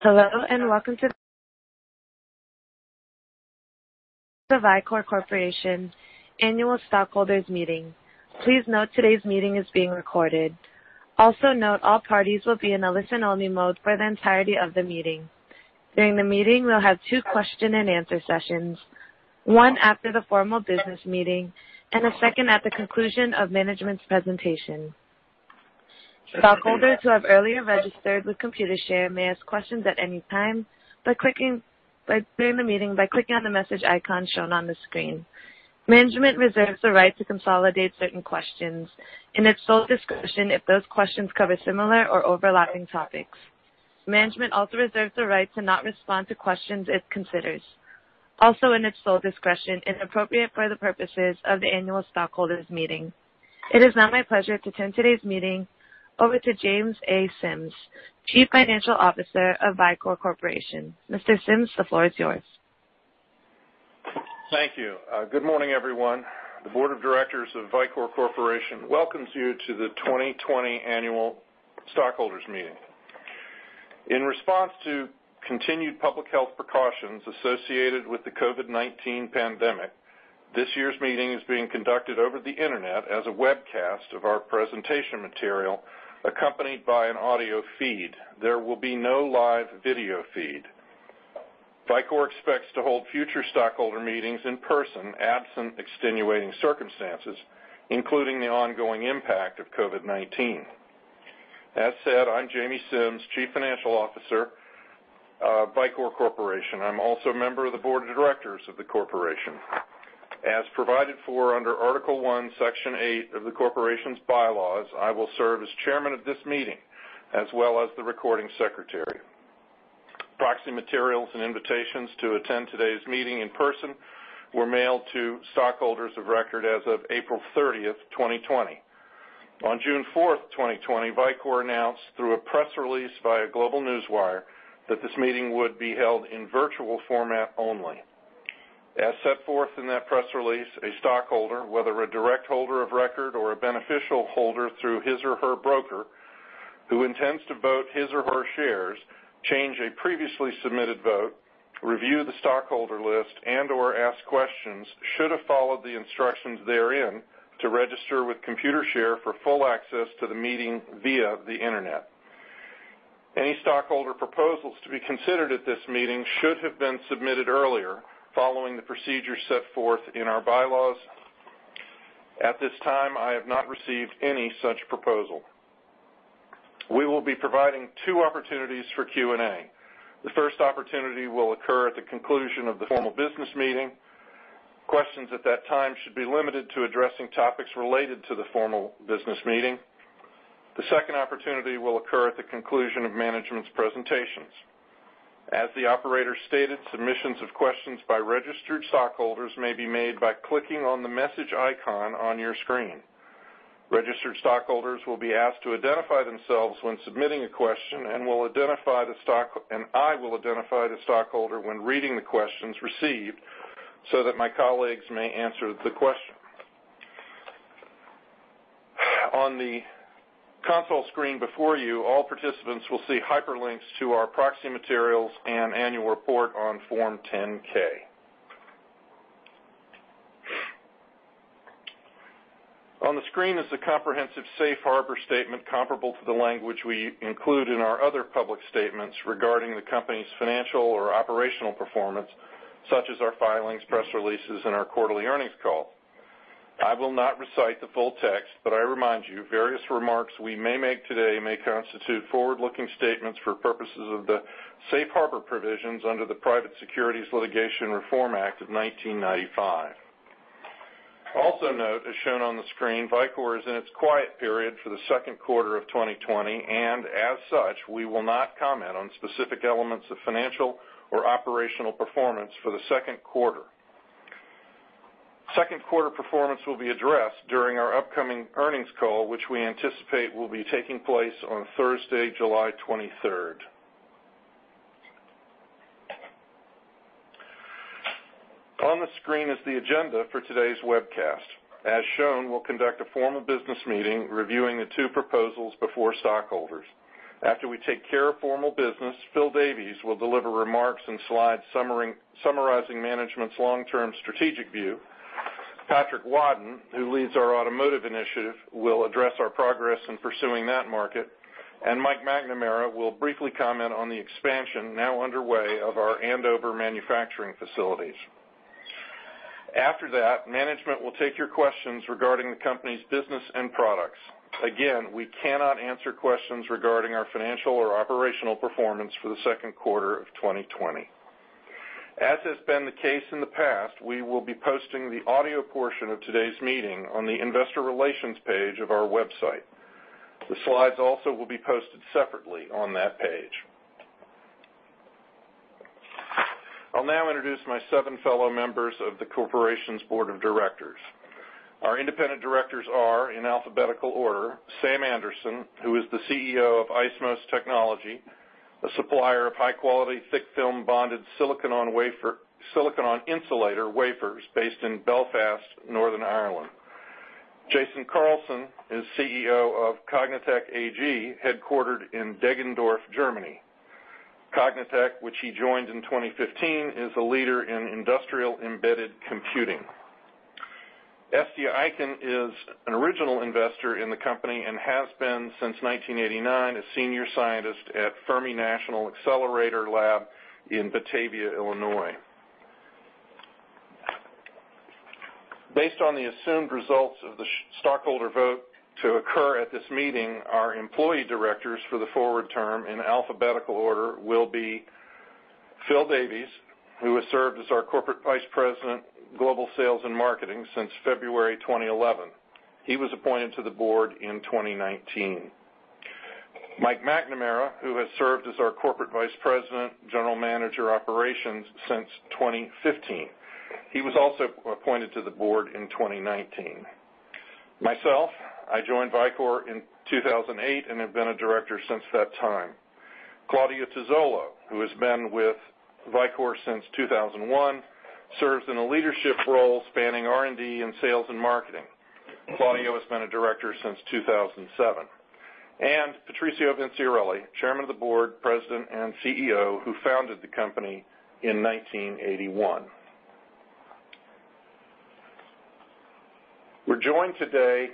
Hello, and welcome to Vicor Corporation annual stockholders meeting. Please note today's meeting is being recorded. Also note all parties will be in a listen-only mode for the entirety of the meeting. During the meeting, we'll have two question and answer sessions, one after the formal business meeting, and a second at the conclusion of management's presentation. Stockholders who have earlier registered with Computershare may ask questions at any time during the meeting by clicking on the message icon shown on the screen. Management reserves the right to consolidate certain questions in its sole discretion if those questions cover similar or overlapping topics. Management also reserves the right to not respond to questions it considers, also in its sole discretion, inappropriate for the purposes of the annual stockholders meeting. It is now my pleasure to turn today's meeting over to James A. Simms, Chief Financial Officer of Vicor Corporation. Mr. Simms, the floor is yours. Thank you. Good morning, everyone. The Board of Directors of Vicor Corporation welcomes you to the 2020 annual stockholders meeting. In response to continued public health precautions associated with the COVID-19 pandemic, this year's meeting is being conducted over the internet as a webcast of our presentation material, accompanied by an audio feed. There will be no live video feed. Vicor expects to hold future stockholder meetings in person, absent extenuating circumstances, including the ongoing impact of COVID-19. That said, I'm James A. Simms, Chief Financial Officer of Vicor Corporation. I'm also a member of the Board of Directors of the corporation. As provided for under Article 1, Section 8 of the corporation's bylaws, I will serve as chairman of this meeting, as well as the recording secretary. Proxy materials and invitations to attend today's meeting in person were mailed to stockholders of record as of April 30th, 2020. On June 4th, 2020, Vicor announced through a press release via GlobeNewswire that this meeting would be held in virtual format only. As set forth in that press release, a stockholder, whether a direct holder of record or a beneficial holder through his or her broker, who intends to vote his or her shares, change a previously submitted vote, review the stockholder list, and/or ask questions should have followed the instructions therein to register with Computershare for full access to the meeting via the internet. Any stockholder proposals to be considered at this meeting should have been submitted earlier following the procedures set forth in our bylaws. At this time, I have not received any such proposal. We will be providing two opportunities for Q&A. The first opportunity will occur at the conclusion of the formal business meeting. Questions at that time should be limited to addressing topics related to the formal business meeting. The second opportunity will occur at the conclusion of management's presentations. As the operator stated, submissions of questions by registered stockholders may be made by clicking on the message icon on your screen. Registered stockholders will be asked to identify themselves when submitting a question, and I will identify the stockholder when reading the questions received so that my colleagues may answer the question. On the console screen before you, all participants will see hyperlinks to our proxy materials and annual report on Form 10-K. On the screen is a comprehensive safe harbor statement comparable to the language we include in our other public statements regarding the company's financial or operational performance, such as our filings, press releases, and our quarterly earnings call. I will not recite the full text, but I remind you, various remarks we may make today may constitute forward-looking statements for purposes of the safe harbor provisions under the Private Securities Litigation Reform Act of 1995. Also note, as shown on the screen, Vicor is in its quiet period for the second quarter of 2020, and as such, we will not comment on specific elements of financial or operational performance for the second quarter. Second quarter performance will be addressed during our upcoming earnings call, which we anticipate will be taking place on Thursday, July 23rd. On the screen is the agenda for today's webcast. As shown, we'll conduct a formal business meeting reviewing the two proposals before stockholders. After we take care of formal business, Phil Davies will deliver remarks and slides summarizing management's long-term strategic view. Patrick Wadden, who leads our automotive initiative, will address our progress in pursuing that market, and Mike McNamara will briefly comment on the expansion now underway of our Andover manufacturing facilities. After that, management will take your questions regarding the company's business and products. Again, we cannot answer questions regarding our financial or operational performance for the second quarter of 2020. As has been the case in the past, we will be posting the audio portion of today's meeting on the investor relations page of our website. The slides also will be posted separately on that page. I'll now introduce my seven fellow members of the corporation's board of directors. Our independent directors are, in alphabetical order, Sam Anderson, who is the CEO of IceMOS Technology, a supplier of high-quality thick film bonded silicon on insulator wafers based in Belfast, Northern Ireland. Jason Carlson is CEO of Congatec AG, headquartered in Deggendorf, Germany. Congatec, which he joined in 2015, is a leader in industrial embedded computing. Estia Eichten is an original investor in the company and has been since 1989, a senior scientist at Fermi National Accelerator Laboratory in Batavia, Illinois. Based on the assumed results of the stockholder vote to occur at this meeting, our employee directors for the forward term, in alphabetical order, will be Phil Davies, who has served as our Corporate Vice President, Global Sales and Marketing since February 2011. He was appointed to the board in 2019. Mike McNamara, who has served as our Corporate Vice President, General Manager, Operations since 2015. He was also appointed to the board in 2019. Myself, I joined Vicor in 2008 and have been a director since that time. Claudio Tuozzolo, who has been with Vicor since 2001, serves in a leadership role spanning R&D and sales and marketing. Claudio has been a director since 2007. Patrizio Vinciarelli, Chairman of the Board, President, and CEO, who founded the company in 1981. We're joined today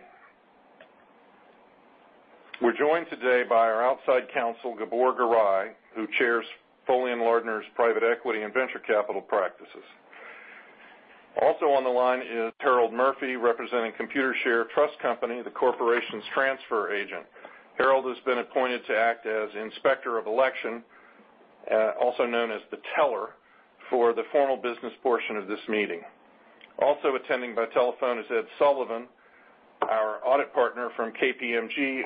by our outside counsel, Gabor Garai, who chairs Foley & Lardner's Private Equity and Venture Capital practices. On the line is Harold Murphy, representing Computershare Trust Company, the corporation's transfer agent. Harold has been appointed to act as Inspector of Election, also known as the teller, for the formal business portion of this meeting. Attending by telephone is Ed Sullivan, our Audit Partner from KPMG,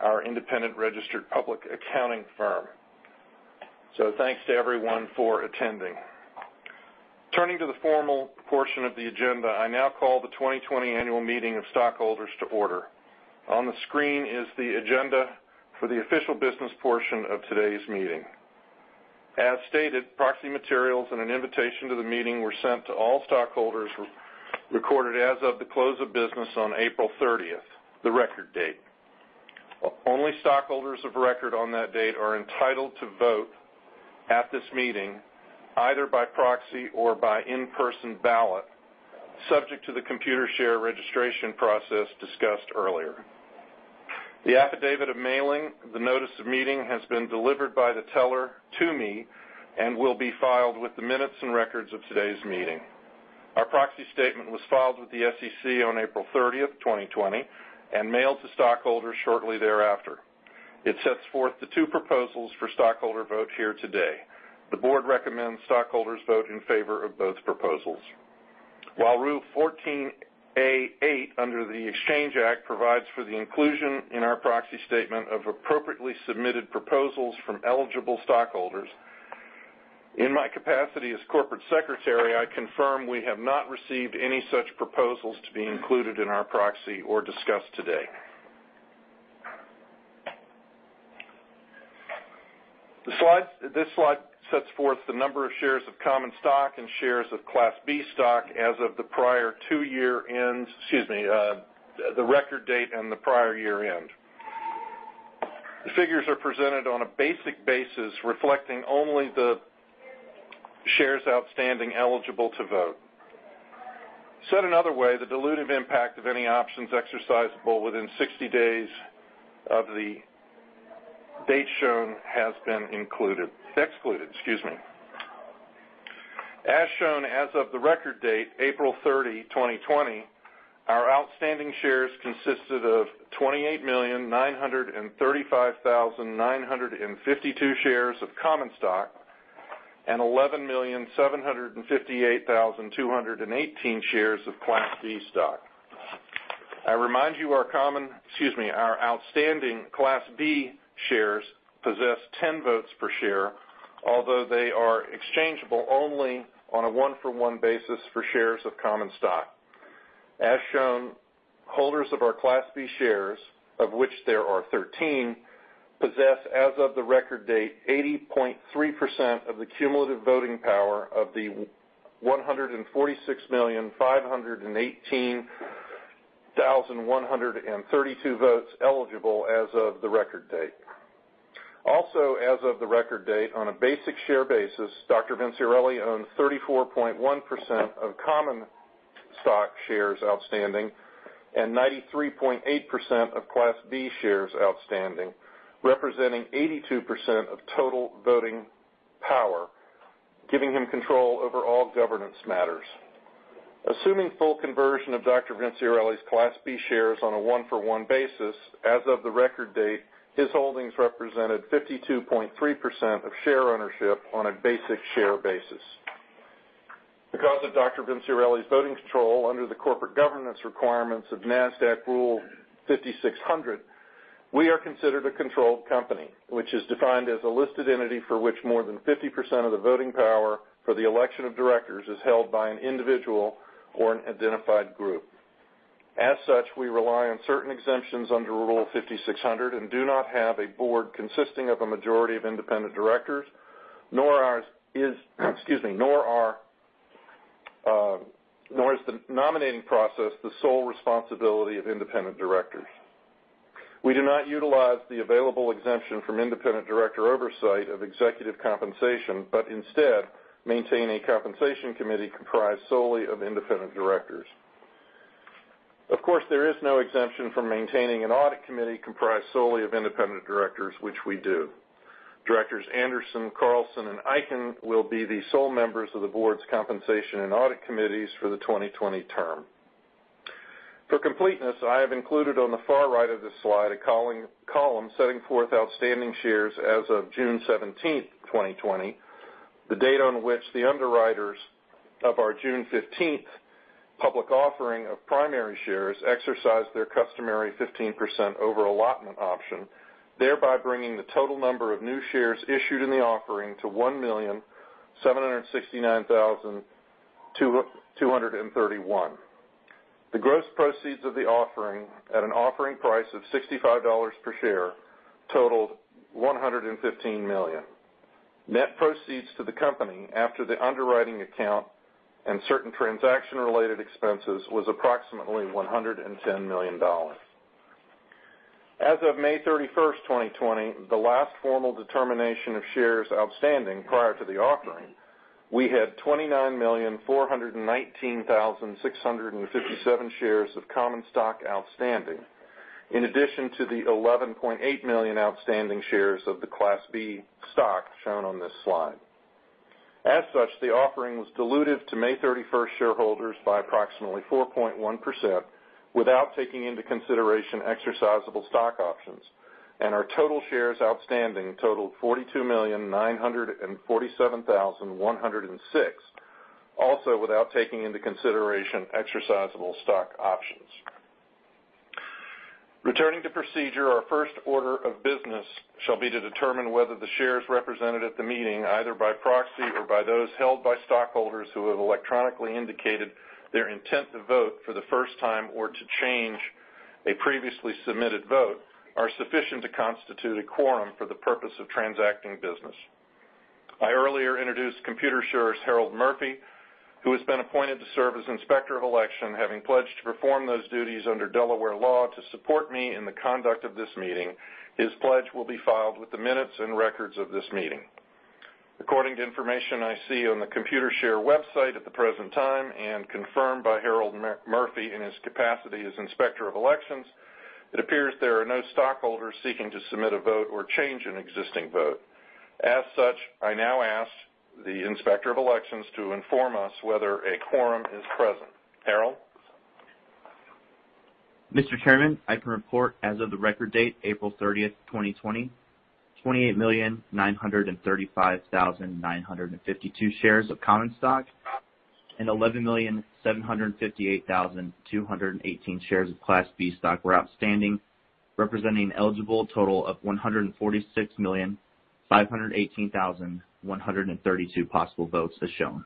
our independent registered public accounting firm. Thanks to everyone for attending. Turning to the formal portion of the agenda. I now call the 2020 annual meeting of stockholders to order. On the screen is the agenda for the official business portion of today's meeting. As stated, proxy materials and an invitation to the meeting were sent to all stockholders recorded as of the close of business on April 30th, the record date. Only stockholders of record on that date are entitled to vote at this meeting, either by proxy or by in-person ballot, subject to the Computershare registration process discussed earlier. The affidavit of mailing the notice of meeting has been delivered by the teller to me and will be filed with the minutes and records of today's meeting. Our proxy statement was filed with the SEC on April 30th, 2020 and mailed to stockholders shortly thereafter. It sets forth the two proposals for stockholder vote here today. The board recommends stockholders vote in favor of both proposals. While Rule 14a-8 under the Exchange Act provides for the inclusion in our proxy statement of appropriately submitted proposals from eligible stockholders, in my capacity as corporate secretary, I confirm we have not received any such proposals to be included in our proxy or discussed today. This slide sets forth the number of shares of common stock and shares of Class B stock as of the record date and the prior year-end. The figures are presented on a basic basis, reflecting only the shares outstanding eligible to vote. Said another way, the dilutive impact of any options exercisable within 60 days of the date shown has been excluded. As shown as of the record date, April 30, 2020, our outstanding shares consisted of 28,935,952 shares of common stock and 11,758,218 shares of Class B stock. I remind you our outstanding Class B shares possess 10 votes per share, although they are exchangeable only on a one-for-one basis for shares of common stock. As shown, holders of our Class B shares, of which there are 13, possess, as of the record date, 80.3% of the cumulative voting power of the 146,518,132 votes eligible as of the record date. Also, as of the record date, on a basic share basis, Dr. Vinciarelli owns 34.1% of common stock shares outstanding and 93.8% of Class B shares outstanding, representing 82% of total voting power, giving him control over all governance matters. Assuming full conversion of Dr. Vinciarelli's Class B shares on a one-for-one basis, as of the record date, his holdings represented 52.3% of share ownership on a basic share basis. Because of Dr. Vinciarelli's voting control under the corporate governance requirements of Nasdaq Rule 5600, we are considered a controlled company, which is defined as a listed entity for which more than 50% of the voting power for the election of directors is held by an individual or an identified group. As such, we rely on certain exemptions under Rule 5600 and do not have a board consisting of a majority of independent directors. Nor is the nominating process the sole responsibility of independent directors. We do not utilize the available exemption from independent director oversight of executive compensation, but instead maintain a compensation committee comprised solely of independent directors. Of course, there is no exemption from maintaining an audit committee comprised solely of independent directors, which we do. Directors Anderson, Carlson, and Eichten will be the sole members of the board's compensation and audit committees for the 2020 term. For completeness, I have included on the far right of this slide a column setting forth outstanding shares as of June 17th, 2020, the date on which the underwriters of our June 15th public offering of primary shares exercised their customary 15% over-allotment option, thereby bringing the total number of new shares issued in the offering to 1,769,231. The gross proceeds of the offering at an offering price of $65 per share totaled $115 million. Net proceeds to the company after the underwriting account and certain transaction-related expenses was approximately $110 million. As of May 31st, 2020, the last formal determination of shares outstanding prior to the offering, we had 29,419,657 shares of common stock outstanding, in addition to the 11.8 million outstanding shares of the Class B stock shown on this slide. As such, the offering was dilutive to May 31st shareholders by approximately 4.1% without taking into consideration exercisable stock options, and our total shares outstanding totaled 42,947,106, also without taking into consideration exercisable stock options. Returning to procedure, our first order of business shall be to determine whether the shares represented at the meeting, either by proxy or by those held by stockholders who have electronically indicated their intent to vote for the first time or to change a previously submitted vote, are sufficient to constitute a quorum for the purpose of transacting business. I earlier introduced Computershare's Harold Murphy, who has been appointed to serve as Inspector of Election, having pledged to perform those duties under Delaware law to support me in the conduct of this meeting. His pledge will be filed with the minutes and records of this meeting. According to information I see on the Computershare website at the present time and confirmed by Harold Murphy in his capacity as Inspector of Elections, it appears there are no stockholders seeking to submit a vote or change an existing vote. As such, I now ask the Inspector of Elections to inform us whether a quorum is present. Harold? Mr. Chairman, I can report as of the record date, April 30th, 2020, 28,935,952 shares of common stock and 11,758,218 shares of Class B stock were outstanding, representing an eligible total of 146,518,132 possible votes as shown.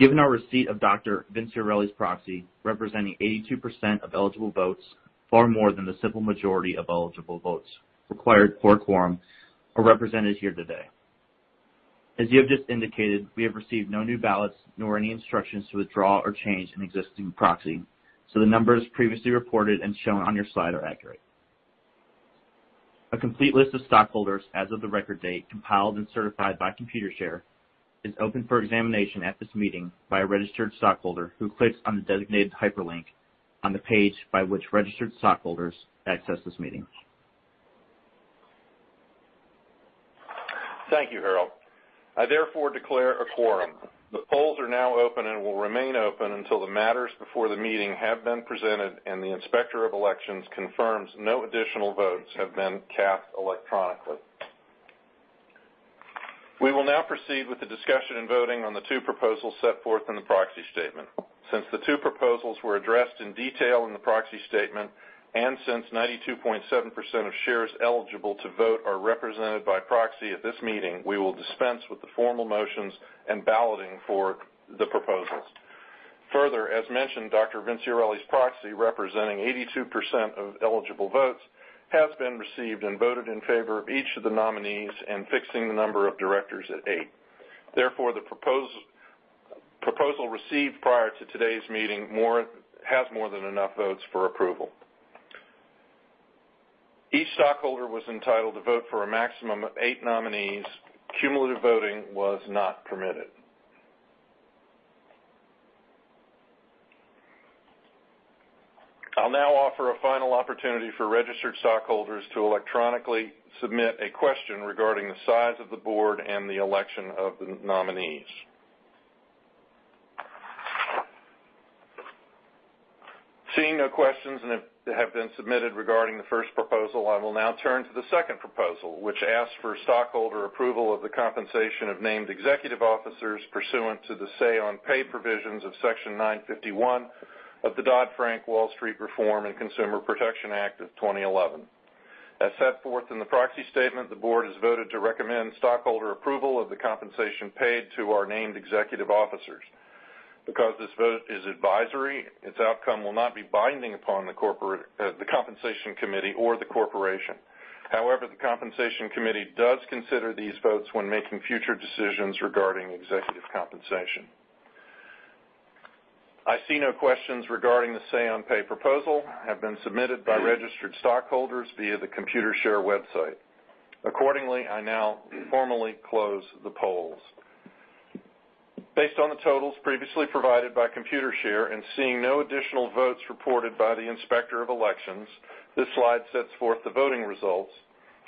Given our receipt of Dr. Vinciarelli's proxy representing 82% of eligible votes, far more than the simple majority of eligible votes required for a quorum are represented here today. As you have just indicated, we have received no new ballots nor any instructions to withdraw or change an existing proxy, so the numbers previously reported and shown on your slide are accurate. A complete list of stockholders as of the record date compiled and certified by Computershare is open for examination at this meeting by a registered stockholder who clicks on the designated hyperlink on the page by which registered stockholders access this meeting. Thank you, Harold. I therefore declare a quorum. The polls are now open and will remain open until the matters before the meeting have been presented and the Inspector of Elections confirms no additional votes have been cast electronically. We will now proceed with the discussion and voting on the two proposals set forth in the proxy statement. Since the two proposals were addressed in detail in the proxy statement, and since 92.7% of shares eligible to vote are represented by proxy at this meeting, we will dispense with the formal motions and balloting for the proposals. Further, as mentioned, Dr. Vinciarelli's proxy, representing 82% of eligible votes, has been received and voted in favor of each of the nominees in fixing the number of directors at eight. Therefore, the proposal received prior to today's meeting has more than enough votes for approval. Each stockholder was entitled to vote for a maximum of eight nominees. Cumulative voting was not permitted. I'll now offer a final opportunity for registered stockholders to electronically submit a question regarding the size of the board and the election of the nominees. Seeing no questions that have been submitted regarding the first proposal, I will now turn to the second proposal, which asks for stockholder approval of the compensation of named executive officers pursuant to the say-on-pay provisions of Section 951 of the Dodd-Frank Wall Street Reform and Consumer Protection Act of 2011. As set forth in the proxy statement, the board has voted to recommend stockholder approval of the compensation paid to our named executive officers. Because this vote is advisory, its outcome will not be binding upon the compensation committee or the corporation. However, the compensation committee does consider these votes when making future decisions regarding executive compensation. I see no questions regarding the say-on-pay proposal have been submitted by registered stockholders via the Computershare website. Accordingly, I now formally close the polls. Based on the totals previously provided by Computershare and seeing no additional votes reported by the Inspector of Elections, this slide sets forth the voting results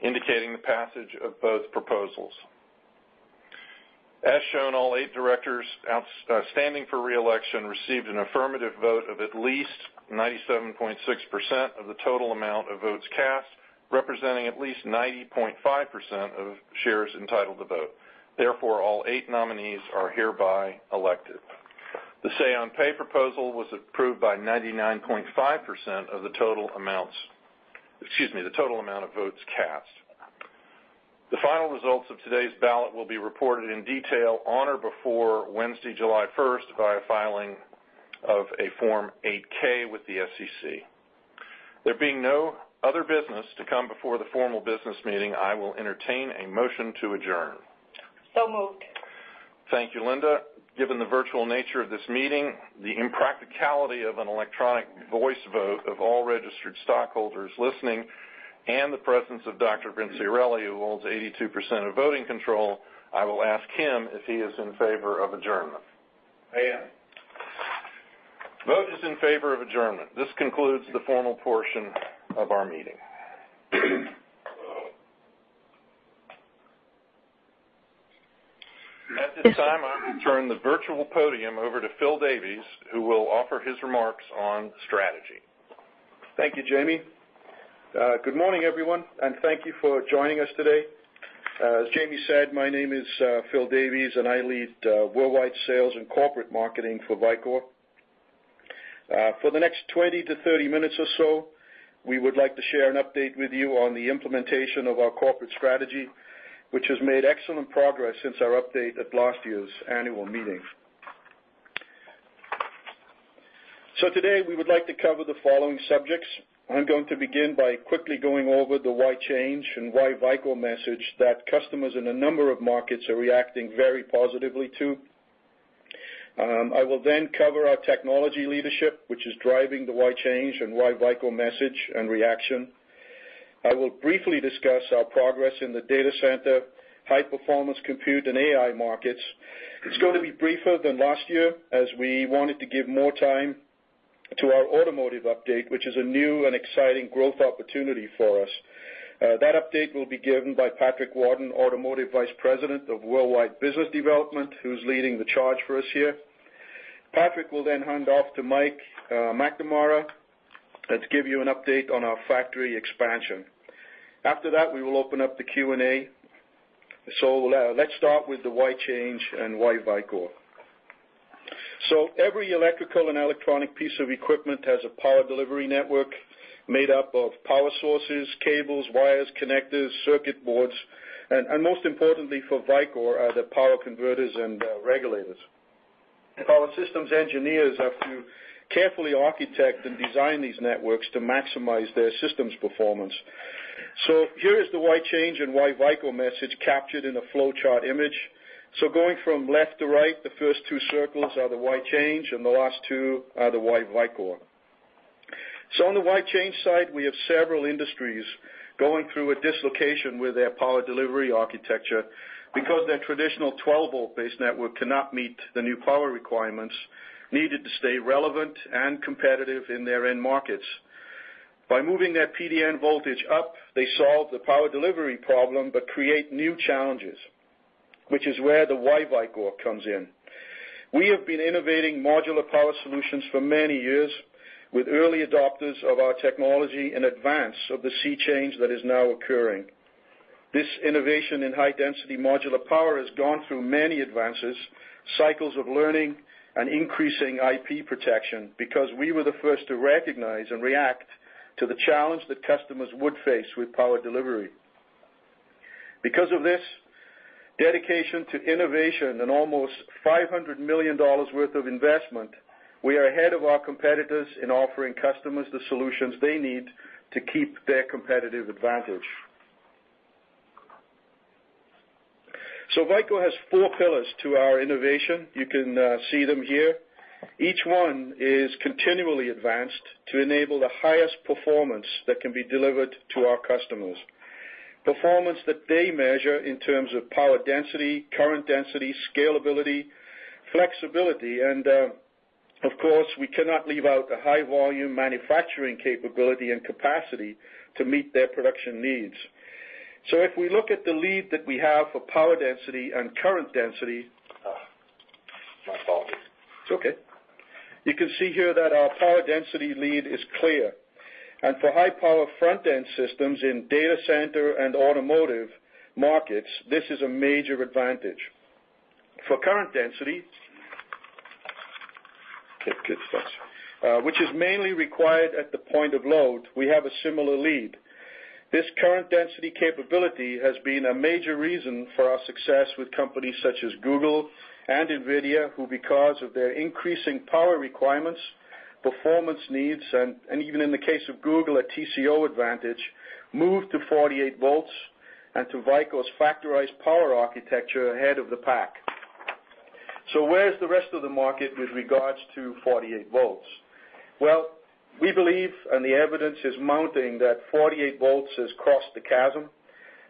indicating the passage of both proposals. As shown, all eight directors standing for re-election received an affirmative vote of at least 97.6% of the total amount of votes cast, representing at least 90.5% of shares entitled to vote. Therefore, all eight nominees are hereby elected. The say-on-pay proposal was approved by 99.5% of the total amount of votes cast. The final results of today's ballot will be reported in detail on or before Wednesday, July 1st, by a filing of a Form 8-K with the SEC. There being no other business to come before the formal business meeting, I will entertain a motion to adjourn. Moved. Thank you, Linda. Given the virtual nature of this meeting, the impracticality of an electronic voice vote of all registered stockholders listening, and the presence of Dr. Vinciarelli, who holds 82% of voting control, I will ask him if he is in favor of adjournment. I am. Vote is in favor of adjournment. This concludes the formal portion of our meeting. At this time, I turn the virtual podium over to Phil Davies, who will offer his remarks on strategy. Thank you, Jamie. Good morning, everyone, and thank you for joining us today. As Jamie said, my name is Phil Davies, and I lead worldwide sales and corporate marketing for Vicor. For the next 20-30 minutes or so, we would like to share an update with you on the implementation of our corporate strategy, which has made excellent progress since our update at last year's annual meeting. Today, we would like to cover the following subjects. I'm going to begin by quickly going over the why change and why Vicor message that customers in a number of markets are reacting very positively to. I will then cover our technology leadership, which is driving the why change and why Vicor message and reaction. I will briefly discuss our progress in the data center, high-performance compute, and AI markets. It's going to be briefer than last year, as we wanted to give more time to our automotive update, which is a new and exciting growth opportunity for us. That update will be given by Patrick Wadden, Automotive Vice President of Worldwide Business Development, who's leading the charge for us here. Patrick will hand off to Mike McNamara to give you an update on our factory expansion. After that, we will open up the Q&A. Let's start with the why change and why Vicor. Every electrical and electronic piece of equipment has a power delivery network made up of power sources, cables, wires, connectors, circuit boards, and most importantly for Vicor, the power converters and regulators. Our systems engineers have to carefully architect and design these networks to maximize their systems performance. Here is the why change and why Vicor message captured in a flowchart image. Going from left to right, the first two circles are the why change, and the last two are the why Vicor. On the why change side, we have several industries going through a dislocation with their power delivery architecture because their traditional 12 volt based network cannot meet the new power requirements needed to stay relevant and competitive in their end markets. By moving their PDN voltage up, they solve the power delivery problem but create new challenges, which is where the why Vicor comes in. We have been innovating modular power solutions for many years, with early adopters of our technology in advance of the sea change that is now occurring. This innovation in high-density modular power has gone through many advances, cycles of learning, and increasing IP protection because we were the first to recognize and react to the challenge that customers would face with power delivery. Because of this dedication to innovation and almost $500 million worth of investment, we are ahead of our competitors in offering customers the solutions they need to keep their competitive advantage. Vicor has four pillars to our innovation. You can see them here. Each one is continually advanced to enable the highest performance that can be delivered to our customers. Performance that they measure in terms of power density, current density, scalability, flexibility, and, of course, we cannot leave out the high-volume manufacturing capability and capacity to meet their production needs. If we look at the lead that we have for power density and current density. My apologies. It's okay. You can see here that our power density lead is clear. For high-power front-end systems in data center and automotive markets, this is a major advantage. For current density, which is mainly required at the point of load, we have a similar lead. This current density capability has been a major reason for our success with companies such as Google and NVIDIA, who, because of their increasing power requirements, performance needs, and even in the case of Google, a TCO advantage, moved to 48 volts and to Vicor's Factorized Power Architecture ahead of the pack. Where's the rest of the market with regards to 48 volts? We believe, and the evidence is mounting, that 48 volts has crossed the chasm,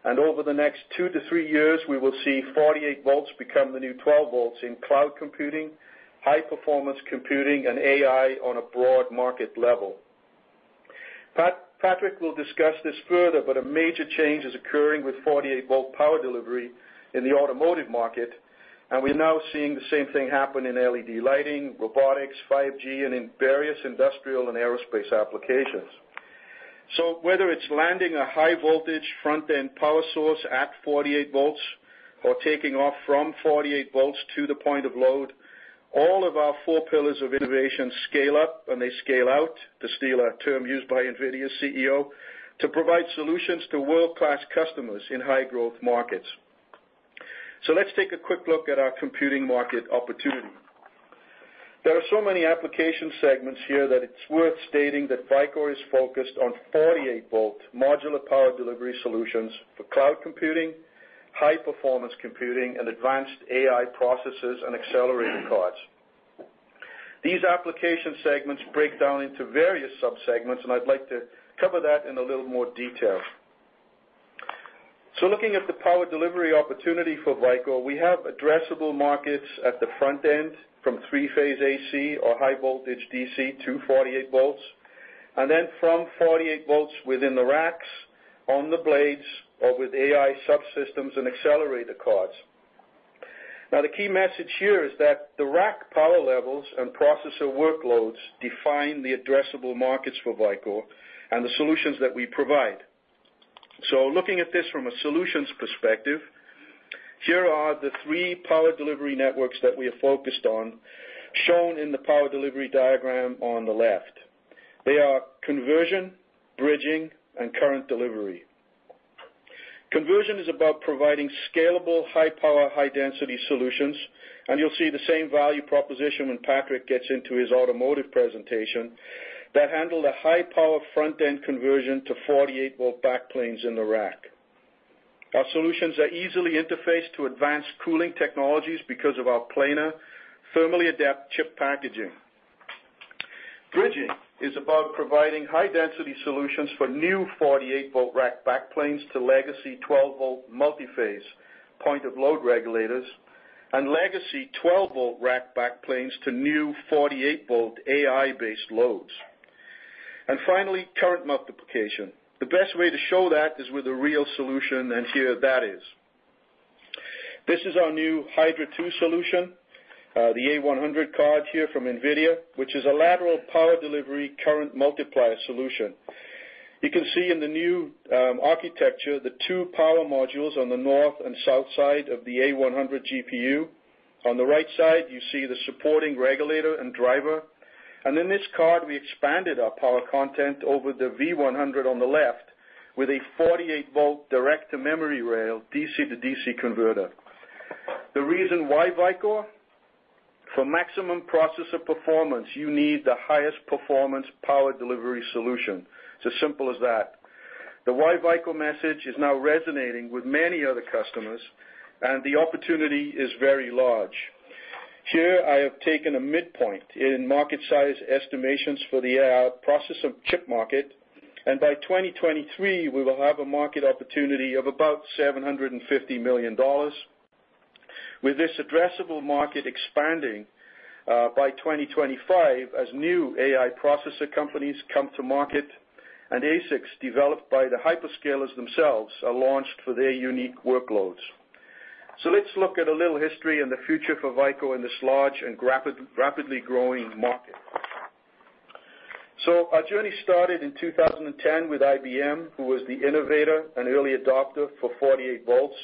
and over the next two to three years, we will see 48 volts become the new 12 volts in cloud computing, high performance computing, and AI on a broad market level. Patrick will discuss this further. A major change is occurring with 48 volt power delivery in the automotive market, and we're now seeing the same thing happen in LED lighting, robotics, 5G, and in various industrial and aerospace applications. Whether it's landing a high voltage front-end power source at 48 volts, or taking off from 48 volts to the point of load, all of our four pillars of innovation scale up and they scale out, to steal a term used by NVIDIA's CEO, to provide solutions to world-class customers in high growth markets. Let's take a quick look at our computing market opportunity. There are so many application segments here that it's worth stating that Vicor is focused on 48 volts modular power delivery solutions for cloud computing, high performance computing, and advanced AI processes and accelerator cards. These application segments break down into various sub-segments, and I'd like to cover that in a little more detail. Looking at the power delivery opportunity for Vicor, we have addressable markets at the front end from three-phase AC or high voltage DC to 48 volts, and then from 48 volts within the racks, on the blades, or with AI subsystems and accelerator cards. The key message here is that the rack power levels and processor workloads define the addressable markets for Vicor and the solutions that we provide. Looking at this from a solutions perspective, here are the three power delivery networks that we are focused on, shown in the power delivery diagram on the left. They are conversion, bridging, and current delivery. Conversion is about providing scalable, high power, high density solutions, and you'll see the same value proposition when Patrick gets into his automotive presentation, that handle the high power front-end conversion to 48 volt backplanes in the rack. Our solutions are easily interfaced to advanced cooling technologies because of our planar thermally adapt ChiP packaging. Bridging is about providing high density solutions for new 48 volt rack backplanes to legacy 12 volt multi-phase point of load regulators, and legacy 12 volt rack backplanes to new 48 volt AI-based loads. Finally, current multiplication. The best way to show that is with a real solution, and here that is. This is our new Hydra II solution, the A100 card here from NVIDIA, which is a lateral power delivery current multiplier solution. You can see in the new architecture, the two power modules on the north and south side of the A100 GPU. On the right side, you see the supporting regulator and driver. In this card, we expanded our power content over the V100 on the left with a 48 volt direct to memory rail DC-DC converter. The reason why Vicor? For maximum processor performance, you need the highest performance power delivery solution. It's as simple as that. The why Vicor message is now resonating with many other customers, and the opportunity is very large. Here I have taken a midpoint in market size estimations for the AI processor chip market, and by 2023, we will have a market opportunity of about $750 million. With this addressable market expanding, by 2025 as new AI processor companies come to market and ASICs developed by the hyperscalers themselves are launched for their unique workloads. Let's look at a little history and the future for Vicor in this large and rapidly growing market. Our journey started in 2010 with IBM, who was the innovator and early adopter for 48 volts.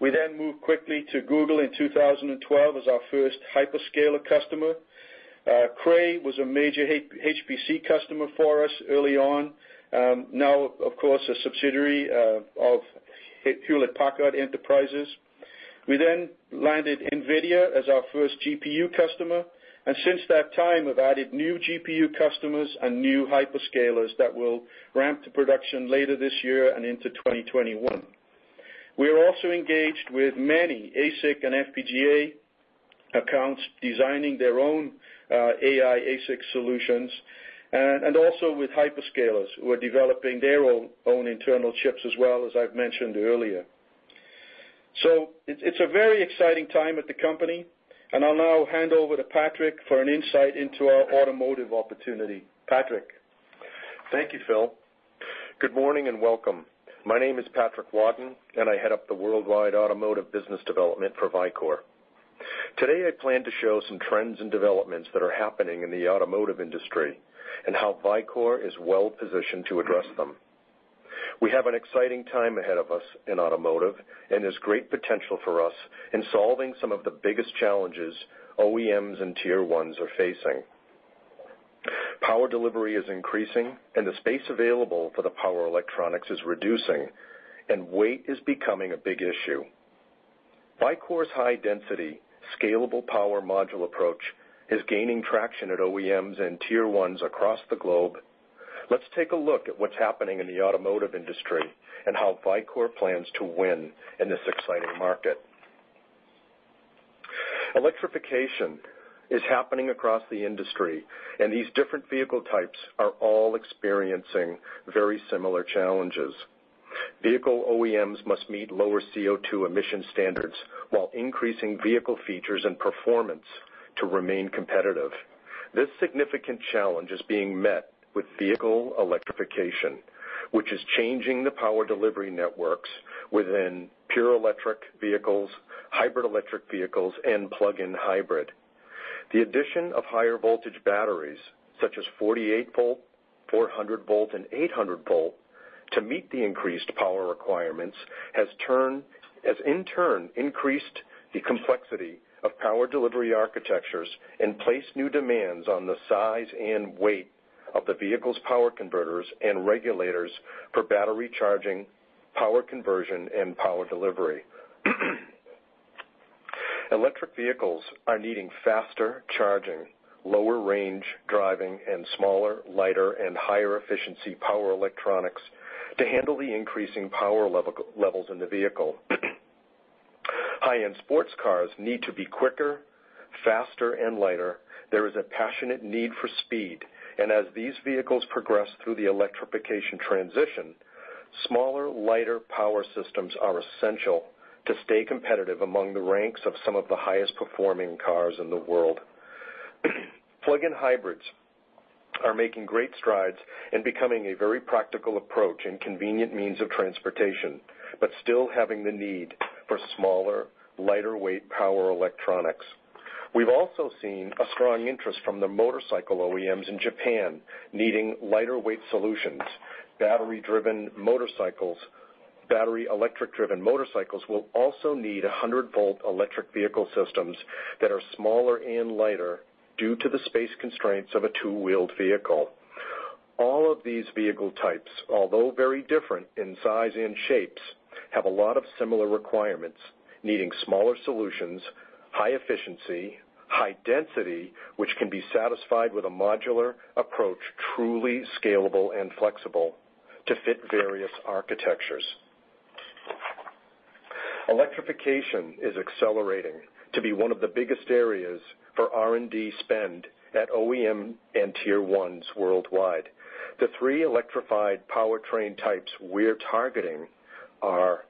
We moved quickly to Google in 2012 as our first hyperscaler customer. Cray was a major HPC customer for us early on. Now, of course, a subsidiary of Hewlett Packard Enterprise. We landed NVIDIA as our first GPU customer, and since that time, have added new GPU customers and new hyperscalers that will ramp to production later this year and into 2021. We are also engaged with many ASIC and FPGA accounts designing their own AI ASIC solutions, and also with hyperscalers who are developing their own internal chips as well, as I've mentioned earlier. It's a very exciting time at the company, and I'll now hand over to Patrick for an insight into our automotive opportunity. Patrick? Thank you, Phil. Good morning and welcome. My name is Patrick Wadden, and I head up the worldwide automotive business development for Vicor. Today, I plan to show some trends and developments that are happening in the automotive industry, and how Vicor is well positioned to address them. We have an exciting time ahead of us in automotive, and there's great potential for us in solving some of the biggest challenges OEMs and Tier 1s are facing. Power delivery is increasing, and the space available for the power electronics is reducing, and weight is becoming a big issue. Vicor's high-density, scalable power module approach is gaining traction at OEMs and Tier 1s across the globe. Let's take a look at what's happening in the automotive industry and how Vicor plans to win in this exciting market. Electrification is happening across the industry, and these different vehicle types are all experiencing very similar challenges. Vehicle OEMs must meet lower CO2 emission standards while increasing vehicle features and performance to remain competitive. This significant challenge is being met with vehicle electrification, which is changing the power delivery networks within pure electric vehicles, hybrid electric vehicles, and plug-in hybrid. The addition of higher voltage batteries, such as 48 volt, 400 volt, and 800 volt to meet the increased power requirements, has in turn increased the complexity of power delivery architectures and placed new demands on the size and weight of the vehicle's power converters and regulators for battery charging, power conversion, and power delivery. Electric vehicles are needing faster charging, lower range driving, and smaller, lighter, and higher efficiency power electronics to handle the increasing power levels in the vehicle. High-end sports cars need to be quicker, faster, and lighter. There is a passionate need for speed. As these vehicles progress through the electrification transition, smaller, lighter power systems are essential to stay competitive among the ranks of some of the highest performing cars in the world. Plug-in hybrids are making great strides in becoming a very practical approach and convenient means of transportation, still having the need for smaller, lighter weight power electronics. We've also seen a strong interest from the motorcycle OEMs in Japan needing lighter weight solutions. Battery electric-driven motorcycles will also need 100 volt electric vehicle systems that are smaller and lighter due to the space constraints of a two-wheeled vehicle. All of these vehicle types, although very different in size and shapes, have a lot of similar requirements, needing smaller solutions, high efficiency, high density, which can be satisfied with a modular approach, truly scalable and flexible to fit various architectures. Electrification is accelerating to be one of the biggest areas for R&D spend at OEM and Tier 1s worldwide. The three electrified powertrain types we're targeting are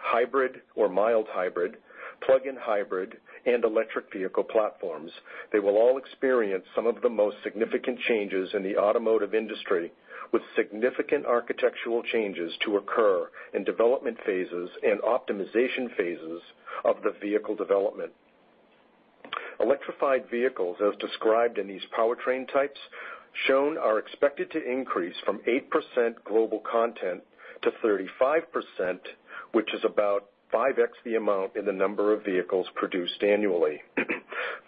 hybrid or mild hybrid, plug-in hybrid, and electric vehicle platforms. They will all experience some of the most significant changes in the automotive industry, with significant architectural changes to occur in development phases and optimization phases of the vehicle development. Electrified vehicles, as described in these powertrain types shown, are expected to increase from 8% global content to 35%, which is about 5x the amount in the number of vehicles produced annually.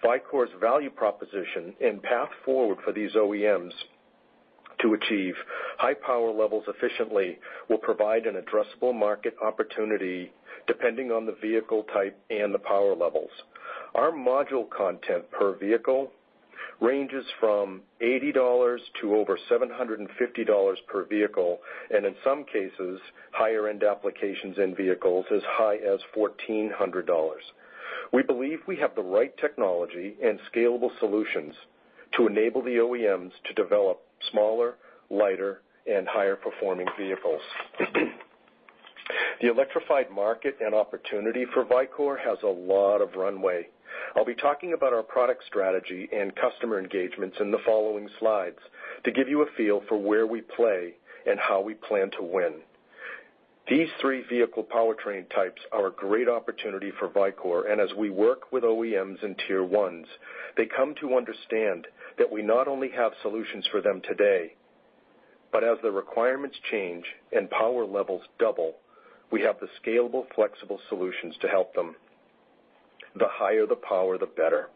Vicor's value proposition and path forward for these OEMs to achieve high power levels efficiently will provide an addressable market opportunity depending on the vehicle type and the power levels. Our module content per vehicle ranges from $80 to over $750 per vehicle, and in some cases, higher-end applications in vehicles as high as $1,400. We believe we have the right technology and scalable solutions to enable the OEMs to develop smaller, lighter, and higher performing vehicles. The electrified market and opportunity for Vicor has a lot of runway. I'll be talking about our product strategy and customer engagements in the following slides to give you a feel for where we play and how we plan to win. These three vehicle powertrain types are a great opportunity for Vicor. As we work with OEMs and Tier 1s, they come to understand that we not only have solutions for them today, but as the requirements change and power levels double, we have the scalable, flexible solutions to help them. The higher the power, the better.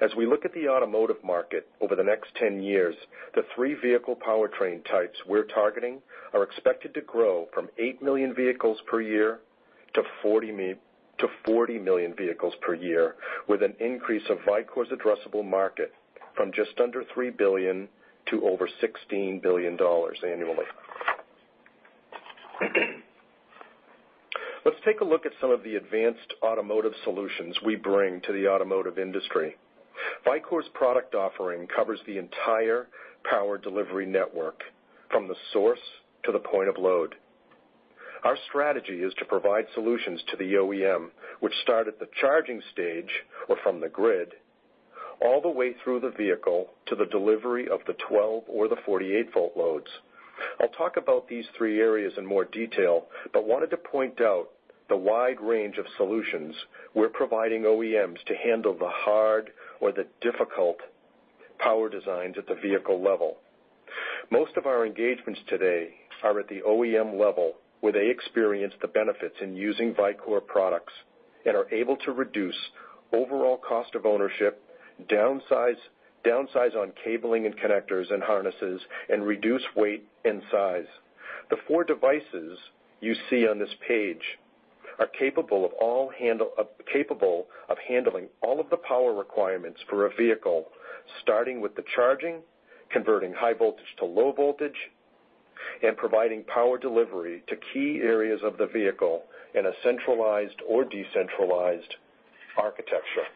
As we look at the automotive market over the next 10 years, the three vehicle powertrain types we're targeting are expected to grow from 8 million vehicles per year to 40 million vehicles per year, with an increase of Vicor's addressable market from just under $3 billion to over $16 billion annually. Let's take a look at some of the advanced automotive solutions we bring to the automotive industry. Vicor's product offering covers the entire power delivery network, from the source to the point of load. Our strategy is to provide solutions to the OEM, which start at the charging stage or from the grid, all the way through the vehicle to the delivery of the 12 or the 48 volt loads. I'll talk about these three areas in more detail, but wanted to point out the wide range of solutions we're providing OEMs to handle the hard or the difficult power designs at the vehicle level. Most of our engagements today are at the OEM level, where they experience the benefits in using Vicor products and are able to reduce overall cost of ownership, downsize on cabling and connectors and harnesses, and reduce weight and size. The four devices you see on this page are capable of handling all of the power requirements for a vehicle, starting with the charging, converting high voltage to low voltage, and providing power delivery to key areas of the vehicle in a centralized or decentralized architecture.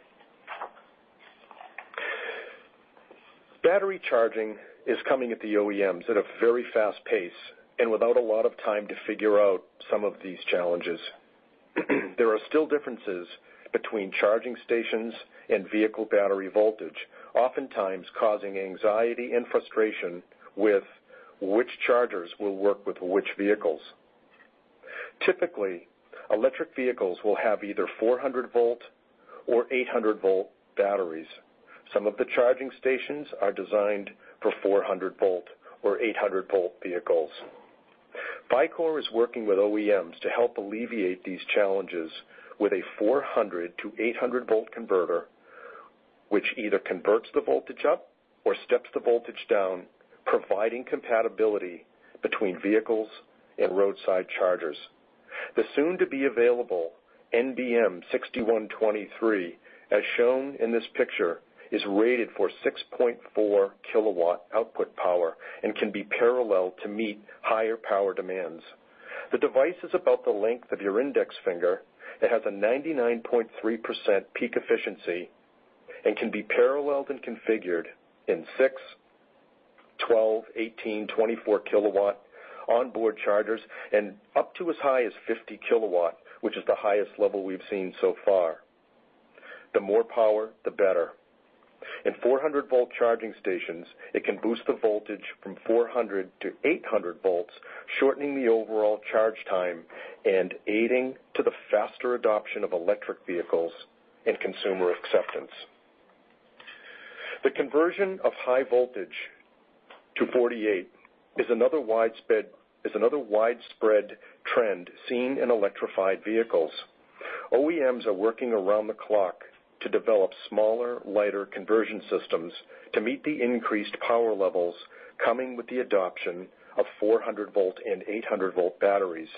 Battery charging is coming at the OEMs at a very fast pace and without a lot of time to figure out some of these challenges. There are still differences between charging stations and vehicle battery voltage, oftentimes causing anxiety and frustration with which chargers will work with which vehicles. Typically, electric vehicles will have either 400 volt or 800 volt batteries. Some of the charging stations are designed for 400 volt or 800 volt vehicles. Vicor is working with OEMs to help alleviate these challenges with a 400 volt-800 volt converter, which either converts the voltage up or steps the voltage down, providing compatibility between vehicles and roadside chargers. The soon-to-be-available NBM6123, as shown in this picture, is rated for 6.4 kW output power and can be paralleled to meet higher power demands. The device is about the length of your index finger. It has a 99.3% peak efficiency and can be paralleled and configured in 6 kW, 12 kW, 18 kW, 24 kW onboard chargers and up to as high as 50 kW, which is the highest level we've seen so far. The more power, the better. In 400 volt charging stations, it can boost the voltage from 400 volt to 800 volt, shortening the overall charge time and aiding to the faster adoption of electric vehicles and consumer acceptance. The conversion of high voltage to 48 is another widespread trend seen in electrified vehicles. OEMs are working around the clock to develop smaller, lighter conversion systems to meet the increased power levels coming with the adoption of 400 volt and 800 volt batteries.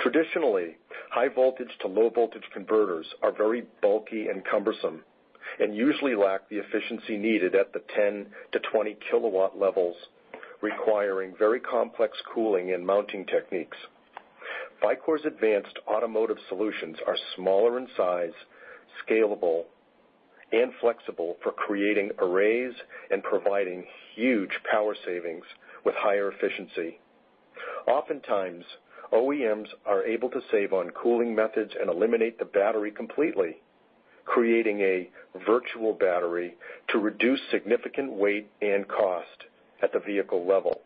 Traditionally, high voltage to low voltage converters are very bulky and cumbersome and usually lack the efficiency needed at the 10 kW-20 kW levels, requiring very complex cooling and mounting techniques. Vicor's advanced automotive solutions are smaller in size, scalable, and flexible for creating arrays and providing huge power savings with higher efficiency. Oftentimes, OEMs are able to save on cooling methods and eliminate the battery completely, creating a virtual battery to reduce significant weight and cost at the vehicle level.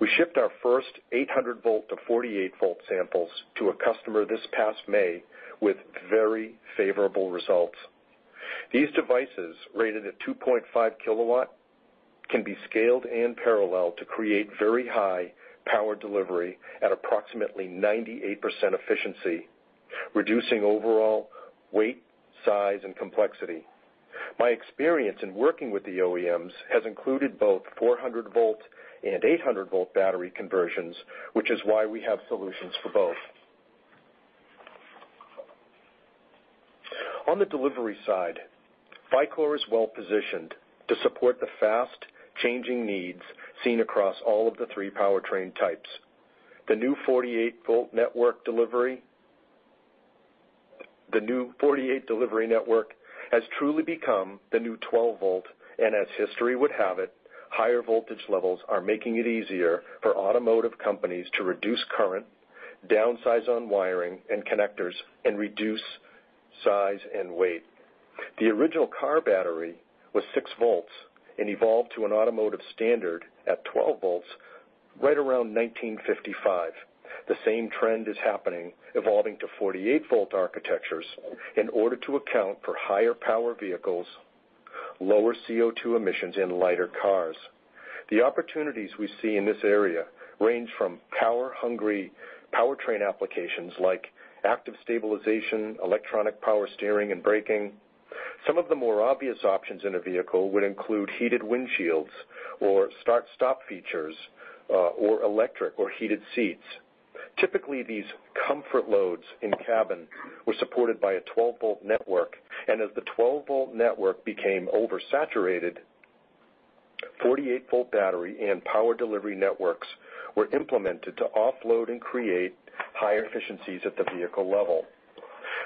We shipped our first 800 volt-48 volt samples to a customer this past May with very favorable results. These devices, rated at 2.5 kW, can be scaled and paralleled to create very high power delivery at approximately 98% efficiency, reducing overall weight, size, and complexity. My experience in working with the OEMs has included both 400 volt and 800 volt battery conversions, which is why we have solutions for both. On the delivery side, Vicor is well positioned to support the fast-changing needs seen across all of the three powertrain types. The new 48 volt delivery network has truly become the new 12 volt, and as history would have it, higher voltage levels are making it easier for automotive companies to reduce current, downsize on wiring and connectors, and reduce size and weight. The original car battery was six volts and evolved to an automotive standard at 12 volts right around 1955. The same trend is happening, evolving to 48 volt architectures in order to account for higher power vehicles, lower CO2 emissions, and lighter cars. The opportunities we see in this area range from power-hungry powertrain applications like active stabilization, electronic power steering, and braking. Some of the more obvious options in a vehicle would include heated windshields or start/stop features, or electric or heated seats. Typically, these comfort loads in cabin were supported by a 12 volt network, and as the 12 volt network became oversaturated, 48 volt battery and power delivery networks were implemented to offload and create higher efficiencies at the vehicle level.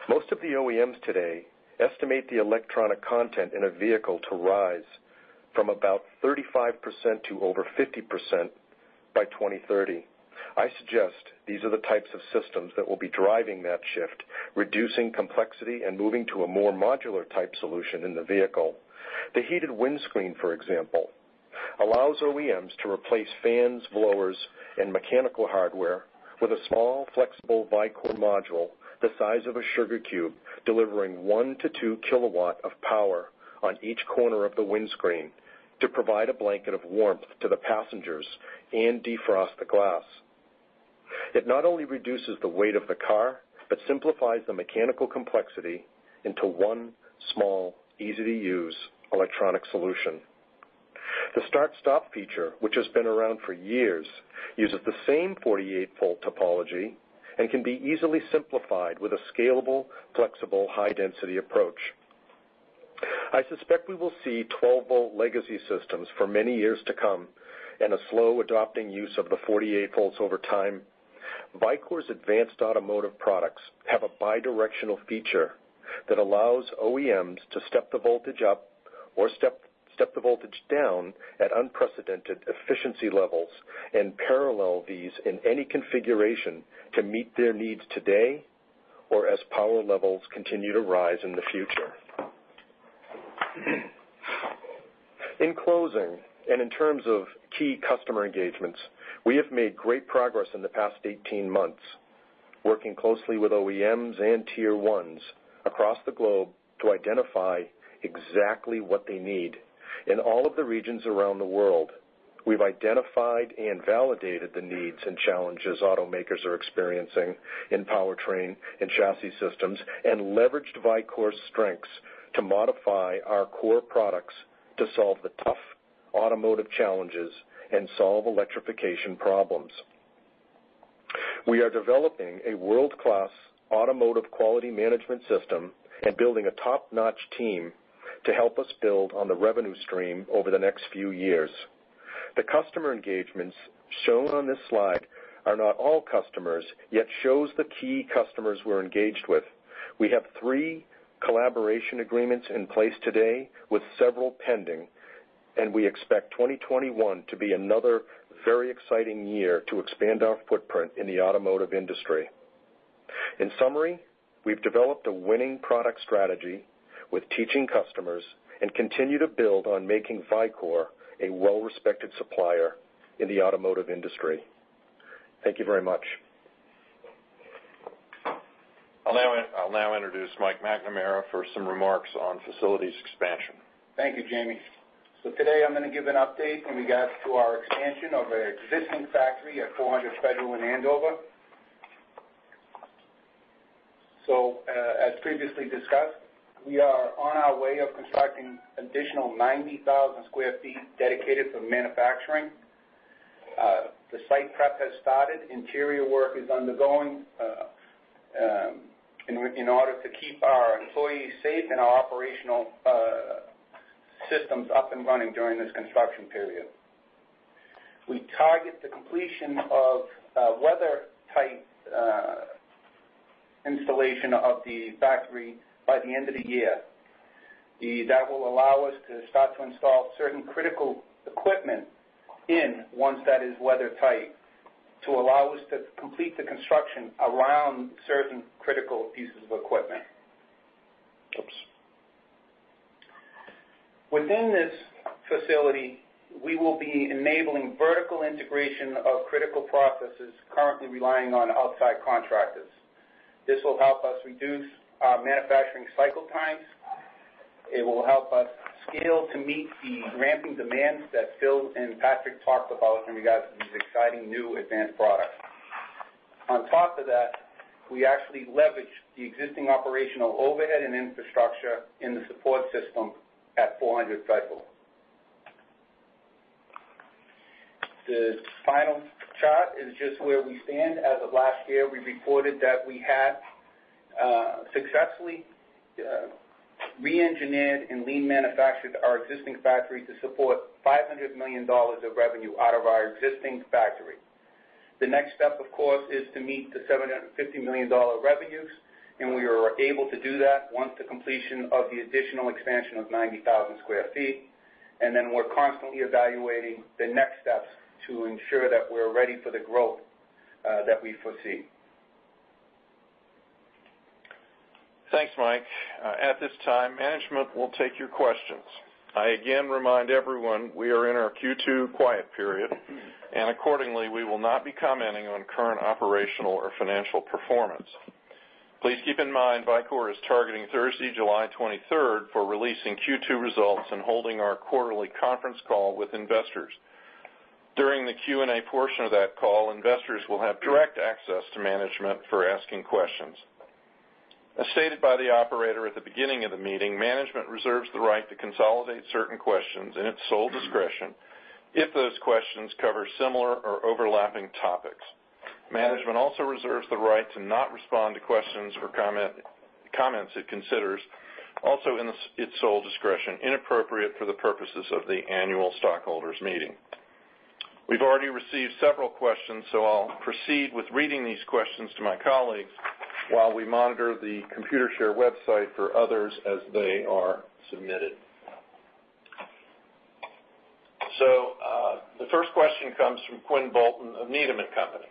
Most of the OEMs today estimate the electronic content in a vehicle to rise from about 35% to over 50% by 2030. I suggest these are the types of systems that will be driving that shift, reducing complexity and moving to a more modular type solution in the vehicle. The heated windscreen, for example, allows OEMs to replace fans, blowers, and mechanical hardware with a small, flexible Vicor module the size of a sugar cube, delivering 1 kW-2 kW of power on each corner of the windscreen to provide a blanket of warmth to the passengers and defrost the glass. It not only reduces the weight of the car, but simplifies the mechanical complexity into one small, easy-to-use electronic solution. The start/stop feature, which has been around for years, uses the same 48 volt topology and can be easily simplified with a scalable, flexible, high-density approach. I suspect we will see 12 volt legacy systems for many years to come and a slow adopting use of the 48 volts over time. Vicor's advanced automotive products have a bidirectional feature that allows OEMs to step the voltage up or step the voltage down at unprecedented efficiency levels, and parallel these in any configuration to meet their needs today, or as power levels continue to rise in the future. In closing, in terms of key customer engagements, we have made great progress in the past 18 months, working closely with OEMs and Tier 1s across the globe to identify exactly what they need. In all of the regions around the world, we've identified and validated the needs and challenges automakers are experiencing in powertrain and chassis systems, and leveraged Vicor's strengths to modify our core products to solve the tough automotive challenges and solve electrification problems. We are developing a world-class automotive quality management system and building a top-notch team to help us build on the revenue stream over the next few years. The customer engagements shown on this slide are not all customers, yet shows the key customers we're engaged with. We have three collaboration agreements in place today with several pending. We expect 2021 to be another very exciting year to expand our footprint in the automotive industry. In summary, we've developed a winning product strategy with teaching customers and continue to build on making Vicor a well-respected supplier in the automotive industry. Thank you very much. I'll now introduce Mike McNamara for some remarks on facilities expansion. Thank you, Jamie. Today I'm going to give an update when we got to our expansion of our existing factory at 400 Federal in Andover. As previously discussed, we are on our way of constructing additional 90,000 sq ft dedicated for manufacturing. The site prep has started. Interior work is undergoing, in order to keep our employees safe and our operational systems up and running during this construction period. We target the completion of a weather-tight installation of the factory by the end of the year. That will allow us to start to install certain critical equipment in, once that is weather-tight, to allow us to complete the construction around certain critical pieces of equipment. Within this facility, we will be enabling vertical integration of critical processes currently relying on outside contractors. This will help us reduce our manufacturing cycle times. It will help us scale to meet the ramping demands that Phil and Patrick talked about when we got to these exciting new advanced products. On top of that, we actually leverage the existing operational overhead and infrastructure in the support system at 400 Federal. The final chart is just where we stand. As of last year, we reported that we had successfully reengineered and lean manufactured our existing factory to support $500 million of revenue out of our existing factory. The next step, of course, is to meet the $750 million revenues, and we are able to do that once the completion of the additional expansion of 90,000 sq ft. We're constantly evaluating the next steps to ensure that we're ready for the growth that we foresee. Thanks, Mike. At this time, management will take your questions. I again remind everyone, we are in our Q2 quiet period, and accordingly, we will not be commenting on current operational or financial performance. Please keep in mind, Vicor is targeting Thursday, July 23rd for releasing Q2 results and holding our quarterly conference call with investors. During the Q&A portion of that call, investors will have direct access to management for asking questions. As stated by the operator at the beginning of the meeting, management reserves the right to consolidate certain questions in its sole discretion if those questions cover similar or overlapping topics. Management also reserves the right to not respond to questions or comments it considers, also in its sole discretion, inappropriate for the purposes of the annual stockholders meeting. We've already received several questions, so I'll proceed with reading these questions to my colleagues while we monitor the Computershare website for others as they are submitted. The first question comes from Quinn Bolton of Needham & Company.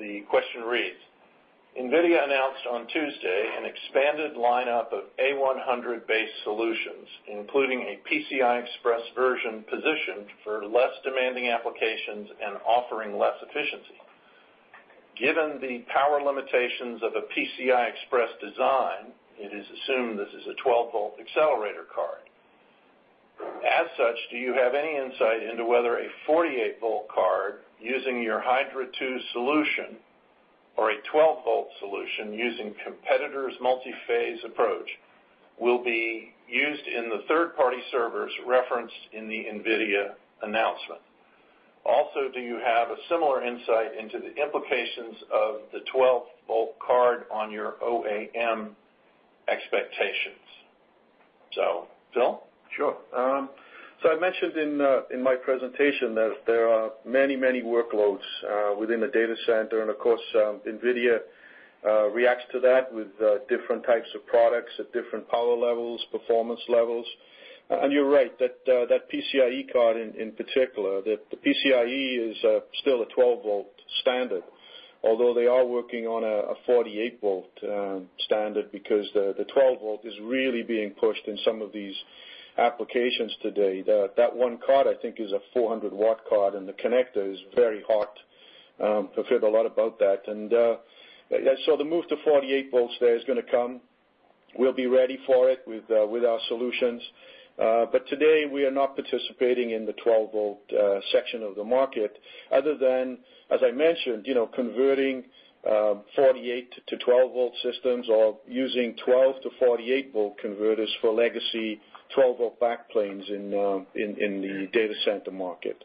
The question reads: NVIDIA announced on Tuesday an expanded lineup of A100-based solutions, including a PCI Express version positioned for less demanding applications and offering less efficiency. Given the power limitations of a PCI Express design, it is assumed this is a 12 volt accelerator card. As such, do you have any insight into whether a 48 volt card using your Hydra II solution or a 12 volt solution using competitor's multi-phase approach will be used in the third-party servers referenced in the NVIDIA announcement? Do you have a similar insight into the implications of the 12 volt card on your OAM expectations? Phil? Sure. I mentioned in my presentation that there are many workloads within the data center. Of course, NVIDIA reacts to that with different types of products at different power levels, performance levels. You're right, that PCIE card in particular, the PCIE is still a 12 volt standard, although they are working on a 48 volt standard because the 12 volt is really being pushed in some of these applications today. That one card, I think, is a 400-watt card, and the connector is very hot. I've heard a lot about that. The move to 48 volts there is going to come. We'll be ready for it with our solutions. Today, we are not participating in the 12 volt section of the market other than, as I mentioned, converting 48 volt-12volt systems or using 12 volt-48 volt converters for legacy 12 volt backplanes in the data center market.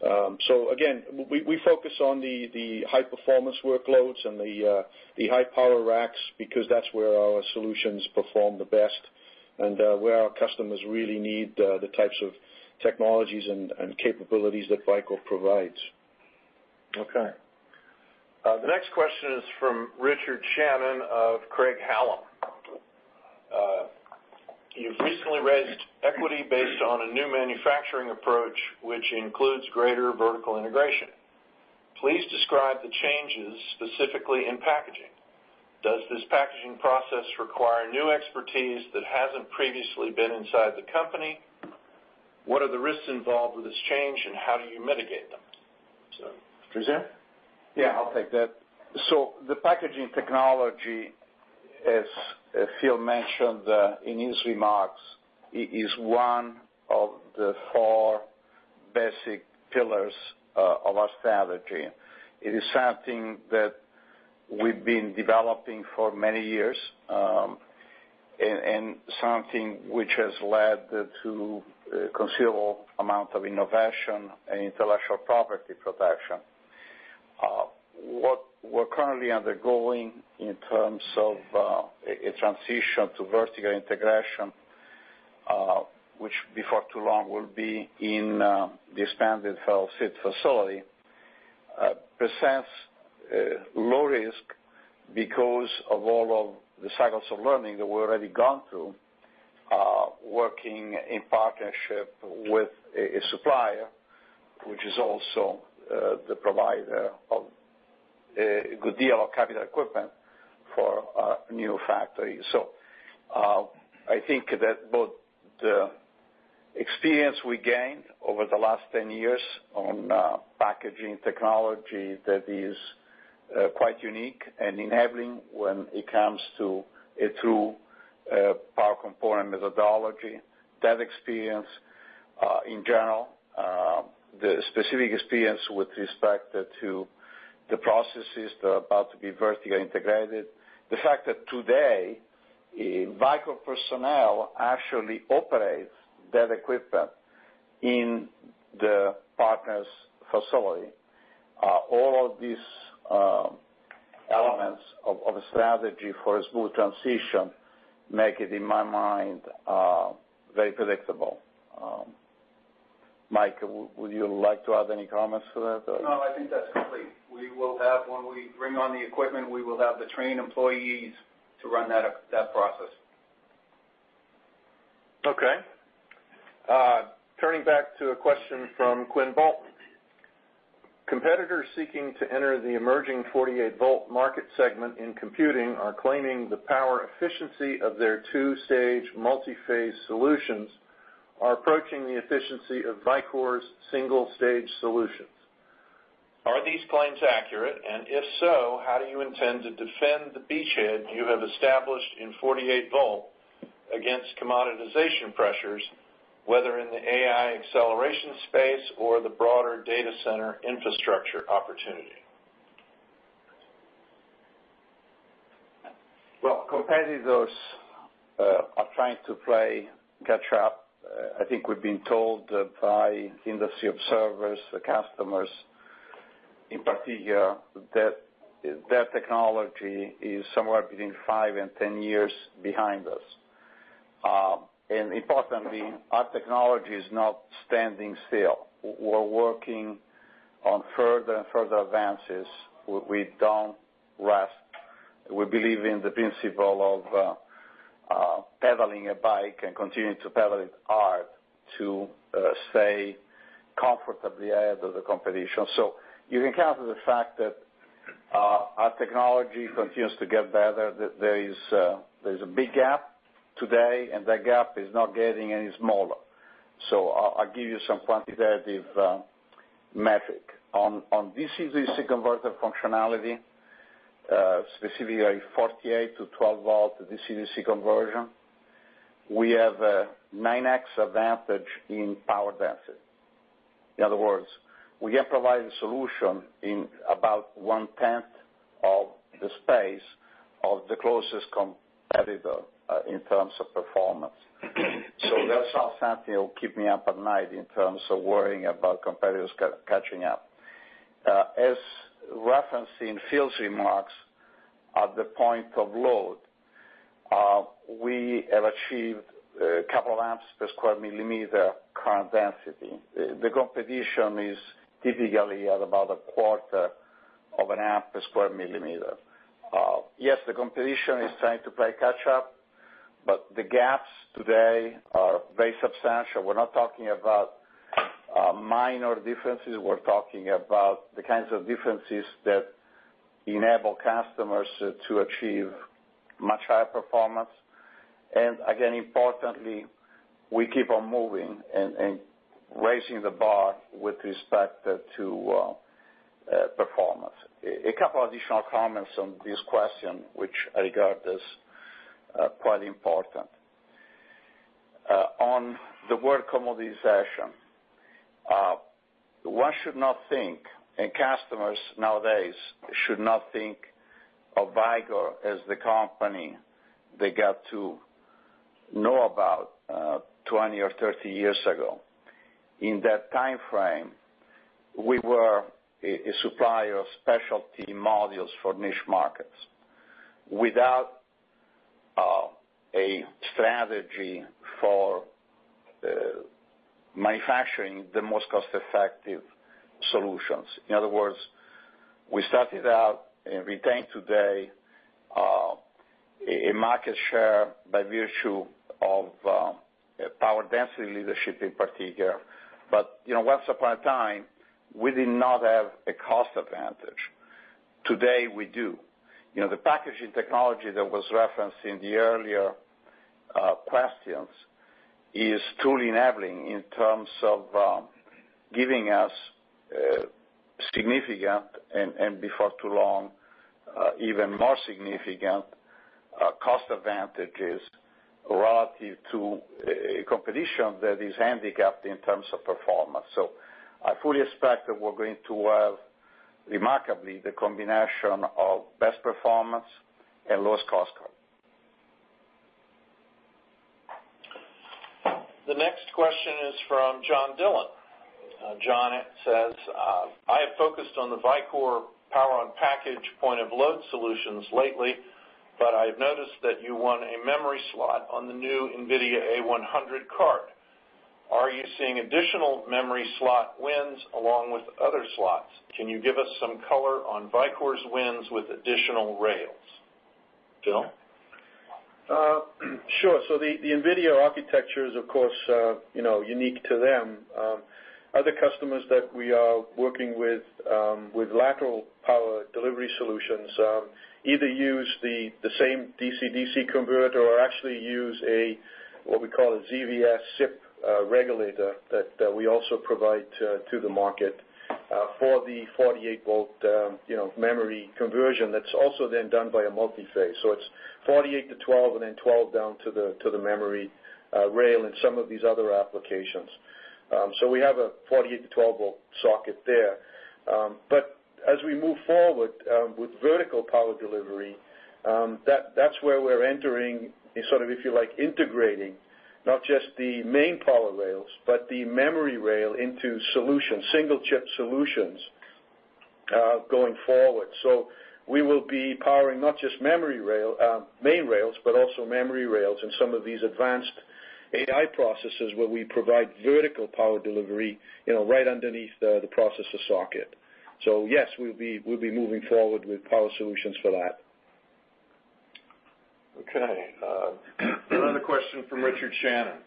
Again, we focus on the high-performance workloads and the high-power racks because that's where our solutions perform the best and where our customers really need the types of technologies and capabilities that Vicor provides. Okay. The next question is from Richard Shannon of Craig-Hallum. You've recently raised equity based on a new manufacturing approach, which includes greater vertical integration. Please describe the changes specifically in packaging. Does this packaging process require new expertise that hasn't previously been inside the company? What are the risks involved with this change, and how do you mitigate them? Vianciarelli? Yeah, I'll take that. The packaging technology, as Phil mentioned in his remarks, is one of the four basic pillars of our strategy. It is something that we've been developing for many years, and something which has led to a considerable amount of innovation and intellectual property protection. What we're currently undergoing in terms of a transition to vertical integration, which before too long will be in the expanded facility, presents low risk because of all of the cycles of learning that we've already gone through, working in partnership with a supplier, which is also the provider of a good deal of capital equipment for our new factory. I think that both the experience we gained over the last 10 years on packaging technology that is quite unique and enabling when it comes to a true power component methodology. That experience, in general, the specific experience with respect to the processes that are about to be vertically integrated. The fact that today, Vicor personnel actually operate that equipment in the partner's facility. All of these elements of a strategy for a smooth transition make it, in my mind, very predictable. Mike, would you like to add any comments to that? No, I think that's complete. When we bring on the equipment, we will have the trained employees to run that process. Okay. Turning back to a question from Quinn Bolton. Competitors seeking to enter the emerging 48 volt market segment in computing are claiming the power efficiency of their two-stage multi-phase solutions are approaching the efficiency of Vicor's single-stage solutions. Are these claims accurate, and if so, how do you intend to defend the beachhead you have established in 48 volt against commoditization pressures, whether in the AI acceleration space or the broader data center infrastructure opportunity? Well, competitors are trying to play catch up. I think we've been told by industry observers, the customers, in particular, that their technology is somewhere between five and 10 years behind us. Importantly, our technology is not standing still. We're working on further advances. We don't rest. We believe in the principle of pedaling a bike and continuing to pedal it hard to stay comfortably ahead of the competition. You can count on the fact that our technology continues to get better, that there is a big gap today, and that gap is not getting any smaller. I'll give you some quantitative metric. On DC-DC converter functionality, specifically 48 volt-12 volt DC-DC conversion, we have a 9x advantage in power density. In other words, we have provided solution in about 1/10 of the space of the closest competitor in terms of performance. That's not something that will keep me up at night in terms of worrying about competitors catching up. As referenced in Phil's remarks, at the point of load, we have achieved a couple amps per square millimeter current density. The competition is typically at about a quarter of an amp per square millimeter. The competition is trying to play catch up, but the gaps today are very substantial. We're not talking about minor differences. We're talking about the kinds of differences that enable customers to achieve much higher performance. Again, importantly, we keep on moving and raising the bar with respect to performance. A couple additional comments on this question, which I regard as quite important. On the word commoditization, one should not think, and customers nowadays should not think of Vicor as the company they got to know about 20 or 30 years ago. In that time frame, we were a supplier of specialty modules for niche markets without a strategy for manufacturing the most cost-effective solutions. In other words, we started out and retain today, a market share by virtue of power density leadership in particular. Once upon a time, we did not have a cost advantage. Today we do. The packaging technology that was referenced in the earlier questions is truly enabling in terms of giving us significant, and before too long, even more significant cost advantages relative to a competition that is handicapped in terms of performance. I fully expect that we're going to have remarkably the combination of best performance and lowest cost cut. The next question is from John Dillon. John says, "I have focused on the Vicor power on package point of load solutions lately, but I have noticed that you won a memory slot on the new NVIDIA A100 card. Are you seeing additional memory slot wins along with other slots? Can you give us some color on Vicor's wins with additional rails?" Phil? Sure. The NVIDIA architecture is, of course, unique to them. Other customers that we are working with lateral power delivery solutions either use the same DC-DC converter or actually use what we call a ZVS SiP regulator that we also provide to the market for the 48 volt memory conversion that's also then done by a multi-phase. It's 48 volt-12 volt, and then 12 down to the memory rail in some of these other applications. We have a 48 volt-12 volt socket there. As we move forward with vertical power delivery, that's where we're entering, sort of, if you like, integrating not just the main power rails, but the memory rail into solutions, single chip solutions going forward. We will be powering not just main rails, but also memory rails in some of these advanced AI processes where we provide vertical power delivery right underneath the processor socket. Yes, we'll be moving forward with power solutions for that. Okay. Another question from Richard Shannon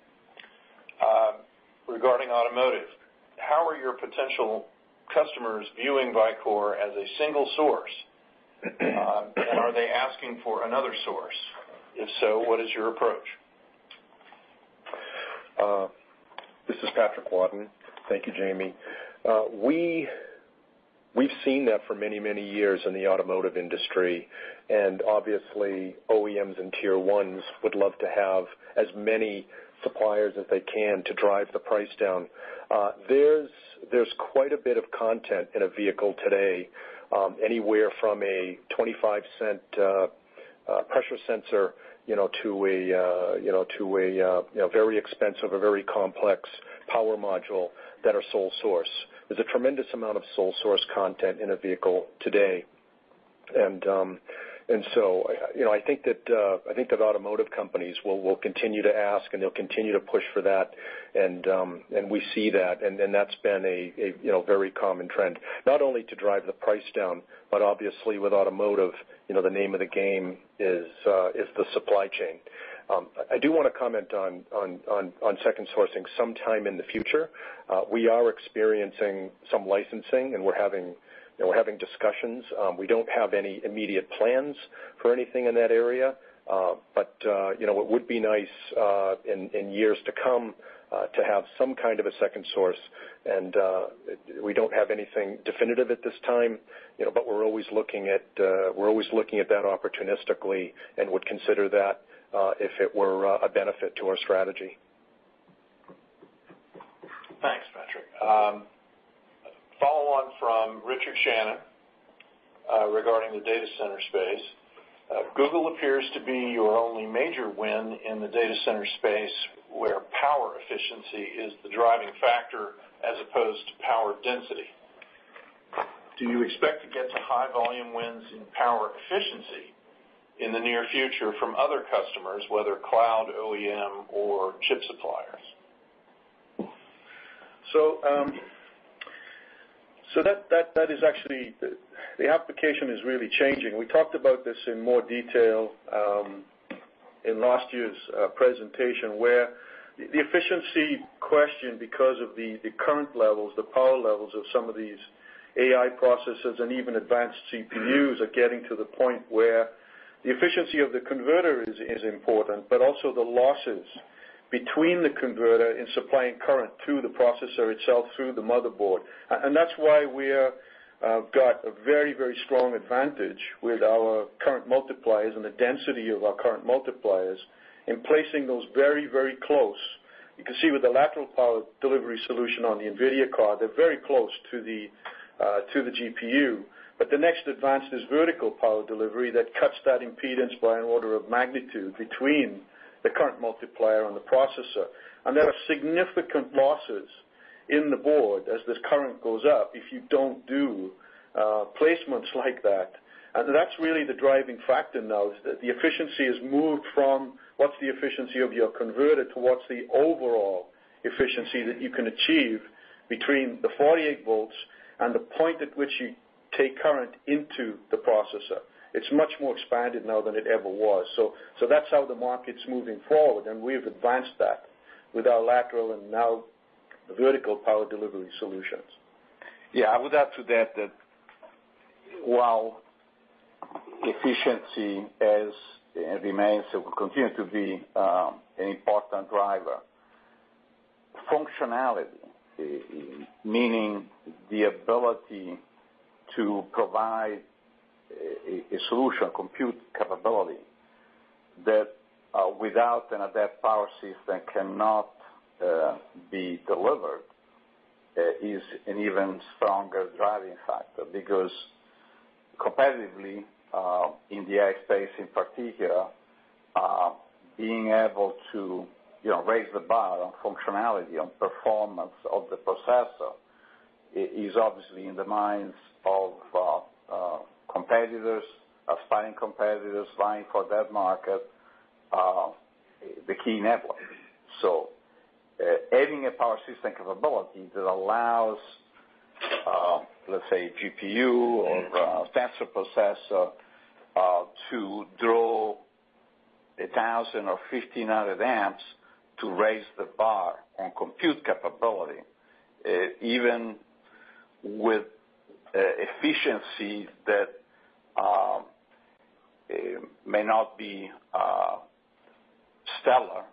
regarding automotive. "How are your potential customers viewing Vicor as a single source? Are they asking for another source? If so, what is your approach? This is Patrick Wadden. Thank you, Jamie. Obviously, OEMs and Tier 1s would love to have as many suppliers as they can to drive the price down. There's quite a bit of content in a vehicle today, anywhere from a $0.25 pressure sensor, to a very expensive, a very complex power module that are sole source. There's a tremendous amount of sole source content in a vehicle today. I think that automotive companies will continue to ask, and they'll continue to push for that. We see that, and that's been a very common trend, not only to drive the price down, but obviously with automotive, the name of the game is the supply chain. I do want to comment on second sourcing sometime in the future. We are experiencing some licensing, and we're having discussions. We don't have any immediate plans for anything in that area. It would be nice, in years to come, to have some kind of a second source. We don't have anything definitive at this time, but we're always looking at that opportunistically and would consider that if it were a benefit to our strategy. Thanks, Patrick. Follow on from Richard Shannon regarding the data center space. Google appears to be your only major win in the data center space, where power efficiency is the driving factor as opposed to power density. Do you expect to get some high-volume wins in power efficiency in the near future from other customers, whether cloud, OEM, or chip suppliers? That is actually, the application is really changing. We talked about this in more detail in last year's presentation, where the efficiency question, because of the current levels, the power levels of some of these AI processors and even advanced CPUs, are getting to the point where the efficiency of the converter is important, but also the losses between the converter in supplying current to the processor itself through the motherboard. That's why we got a very, very strong advantage with our current multipliers and the density of our current multipliers in placing those very, very close. You can see with the lateral power delivery solution on the NVIDIA card, they're very close to the GPU. The next advance is vertical power delivery that cuts that impedance by an order of magnitude between the current multiplier and the processor. There are significant losses in the board as this current goes up if you don't do placements like that. That's really the driving factor now, is that the efficiency has moved from what's the efficiency of your converter towards the overall efficiency that you can achieve between the 48 volts and the point at which you take current into the processor. It's much more expanded now than it ever was. That's how the market's moving forward, and we've advanced that with our lateral and now vertical power delivery solutions. I would add to that while efficiency remains and will continue to be an important driver, functionality, meaning the ability to provide a solution, compute capability, that without an adapt power system cannot be delivered, is an even stronger driving factor. Competitively, in the AI space in particular, being able to raise the bar on functionality, on performance of the processor, is obviously in the minds of competitors, aspiring competitors vying for that market, the key enabler. Having a power system capability that allows, let's say, GPU or sensor processor to draw 1,000 or 1,500 amps to raise the bar on compute capability, even with efficiency that may not be stellar,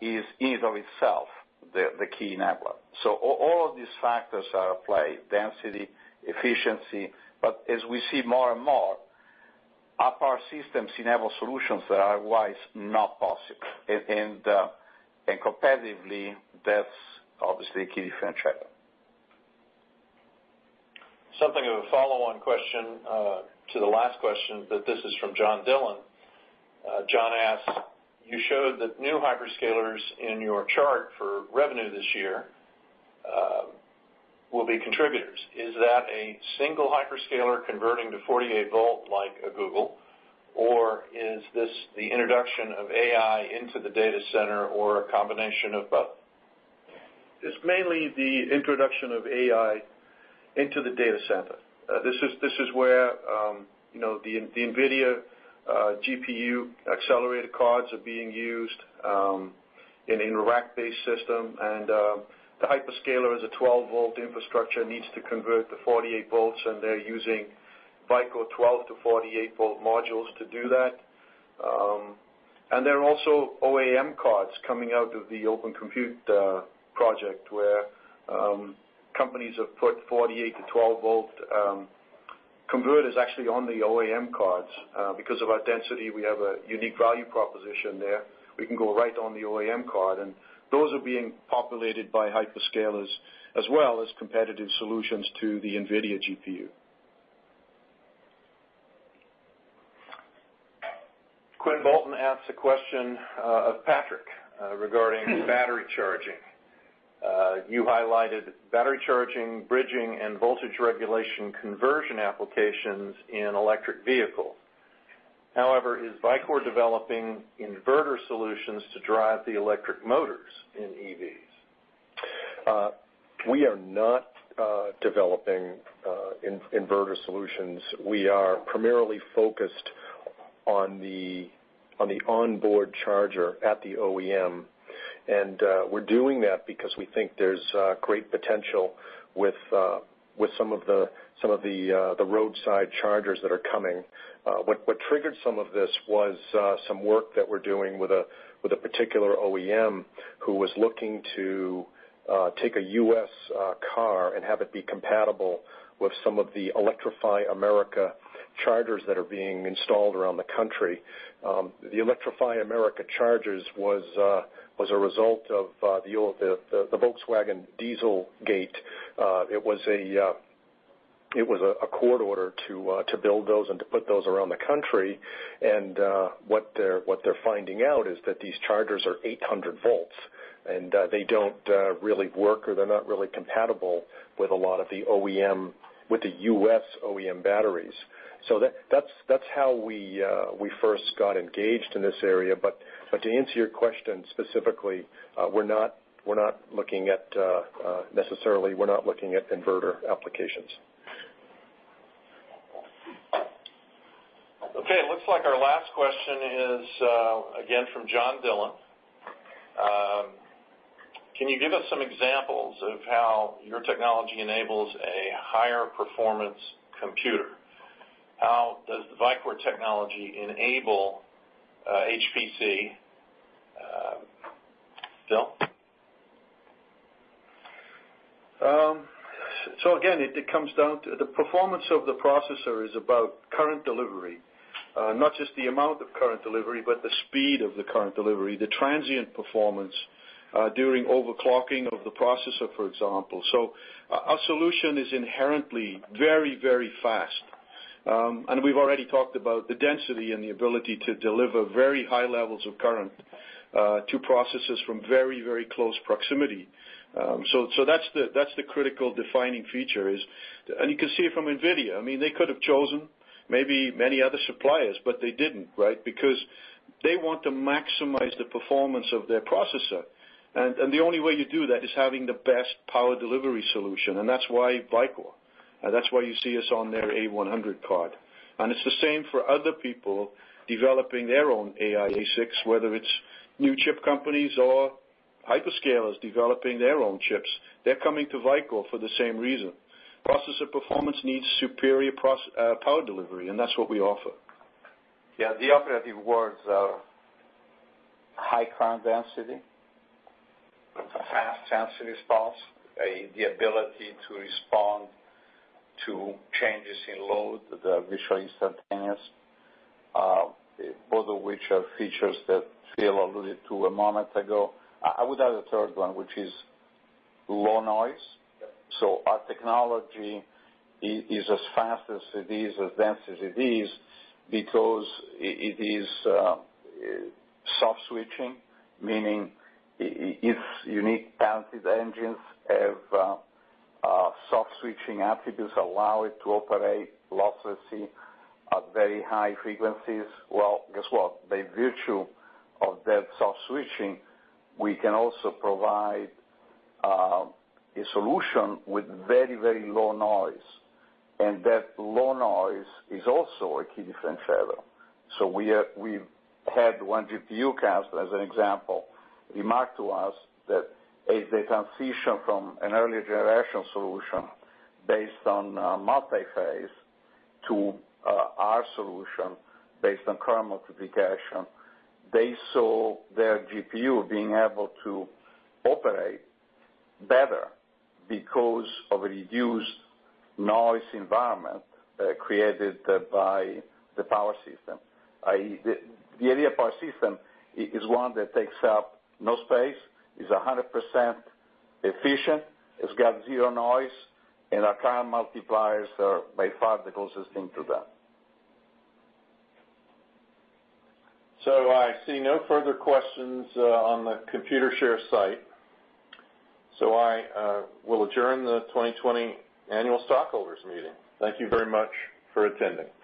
is in of itself the key enabler. All of these factors are at play, density, efficiency. As we see more and more, our power systems enable solutions that are otherwise not possible. Competitively, that's obviously a key differentiator. Something of a follow-on question to the last question. This is from John Dillon. John asks, "You showed that new hyperscalers in your chart for revenue this year will be contributors. Is that a single hyperscaler converting to 48 volt like a Google, or is this the introduction of AI into the data center or a combination of both? It's mainly the introduction of AI into the data center. This is where the NVIDIA GPU accelerator cards are being used in a rack-based system, and the hyperscaler is a 12 volt infrastructure, needs to convert to 48 volts, and they're using Vicor 12 volt-48 volt modules to do that. There are also OAM cards coming out of the Open Compute Project, where companies have put 48 volt-12 volt converters actually on the OAM cards. Because of our density, we have a unique value proposition there. We can go right on the OAM card, and those are being populated by hyperscalers as well as competitive solutions to the NVIDIA GPU. Quinn Bolton ask a question. Patrick, regarding to battery charging. You highlighted battery charging, bridging, and voltage regulation conversion applications in electric vehicles. Is Vicor developing inverter solutions to drive the electric motors in EVs? We are not developing inverter solutions. We are primarily focused on the onboard charger at the OEM, and we're doing that because we think there's great potential with some of the roadside chargers that are coming. What triggered some of this was some work that we're doing with a particular OEM who was looking to take a U.S. car and have it be compatible with some of the Electrify America chargers that are being installed around the country. The Electrify America chargers was a result of the Volkswagen Dieselgate. It was a court order to build those and to put those around the country. What they're finding out is that these chargers are 800 volts, and they don't really work, or they're not really compatible with a lot of the U.S. OEM batteries. That's how we first got engaged in this area. To answer your question specifically, necessarily, we're not looking at inverter applications. Okay. It looks like our last question is again from John Dillon. "Can you give us some examples of how your technology enables a higher performance computer? How does the Vicor technology enable HPC?" Phil? Again, the performance of the processor is about current delivery. Not just the amount of current delivery, but the speed of the current delivery, the transient performance during overclocking of the processor, for example. Our solution is inherently very fast. We've already talked about the density and the ability to deliver very high levels of current to processes from very close proximity. That's the critical defining feature. You can see it from NVIDIA. They could have chosen maybe many other suppliers, but they didn't, right? Because they want to maximize the performance of their processor. The only way you do that is having the best power delivery solution, and that's why Vicor. That's why you see us on their A100 card. It's the same for other people developing their own AI ASICs, whether it's new chip companies or hyperscalers developing their own chips. They're coming to Vicor for the same reason. Processor performance needs superior power delivery, and that's what we offer. Yeah. The operative words are high current density, fast transient response, the ability to respond to changes in load that are virtually instantaneous, both of which are features that Phil alluded to a moment ago. I would add a third one, which is low noise. Yeah. Our technology is as fast as it is, as dense as it is because it is soft switching, meaning its unique patented engines have soft switching attributes allow it to operate losslessly at very high frequencies. Well, guess what? By virtue of that soft switching, we can also provide a solution with very low noise, and that low noise is also a key differentiator. We've had one GPU customer, as an example, remark to us that as they transition from an earlier generation solution based on multi-phase to our solution based on current multiplication, they saw their GPU being able to operate better because of a reduced noise environment created by the power system, i.e., the area power system is one that takes up no space, is 100% efficient, it's got zero noise, and our current multipliers are by far the closest thing to that. I see no further questions on the Computershare site. I will adjourn the 2020 annual stockholders meeting. Thank you very much for attending.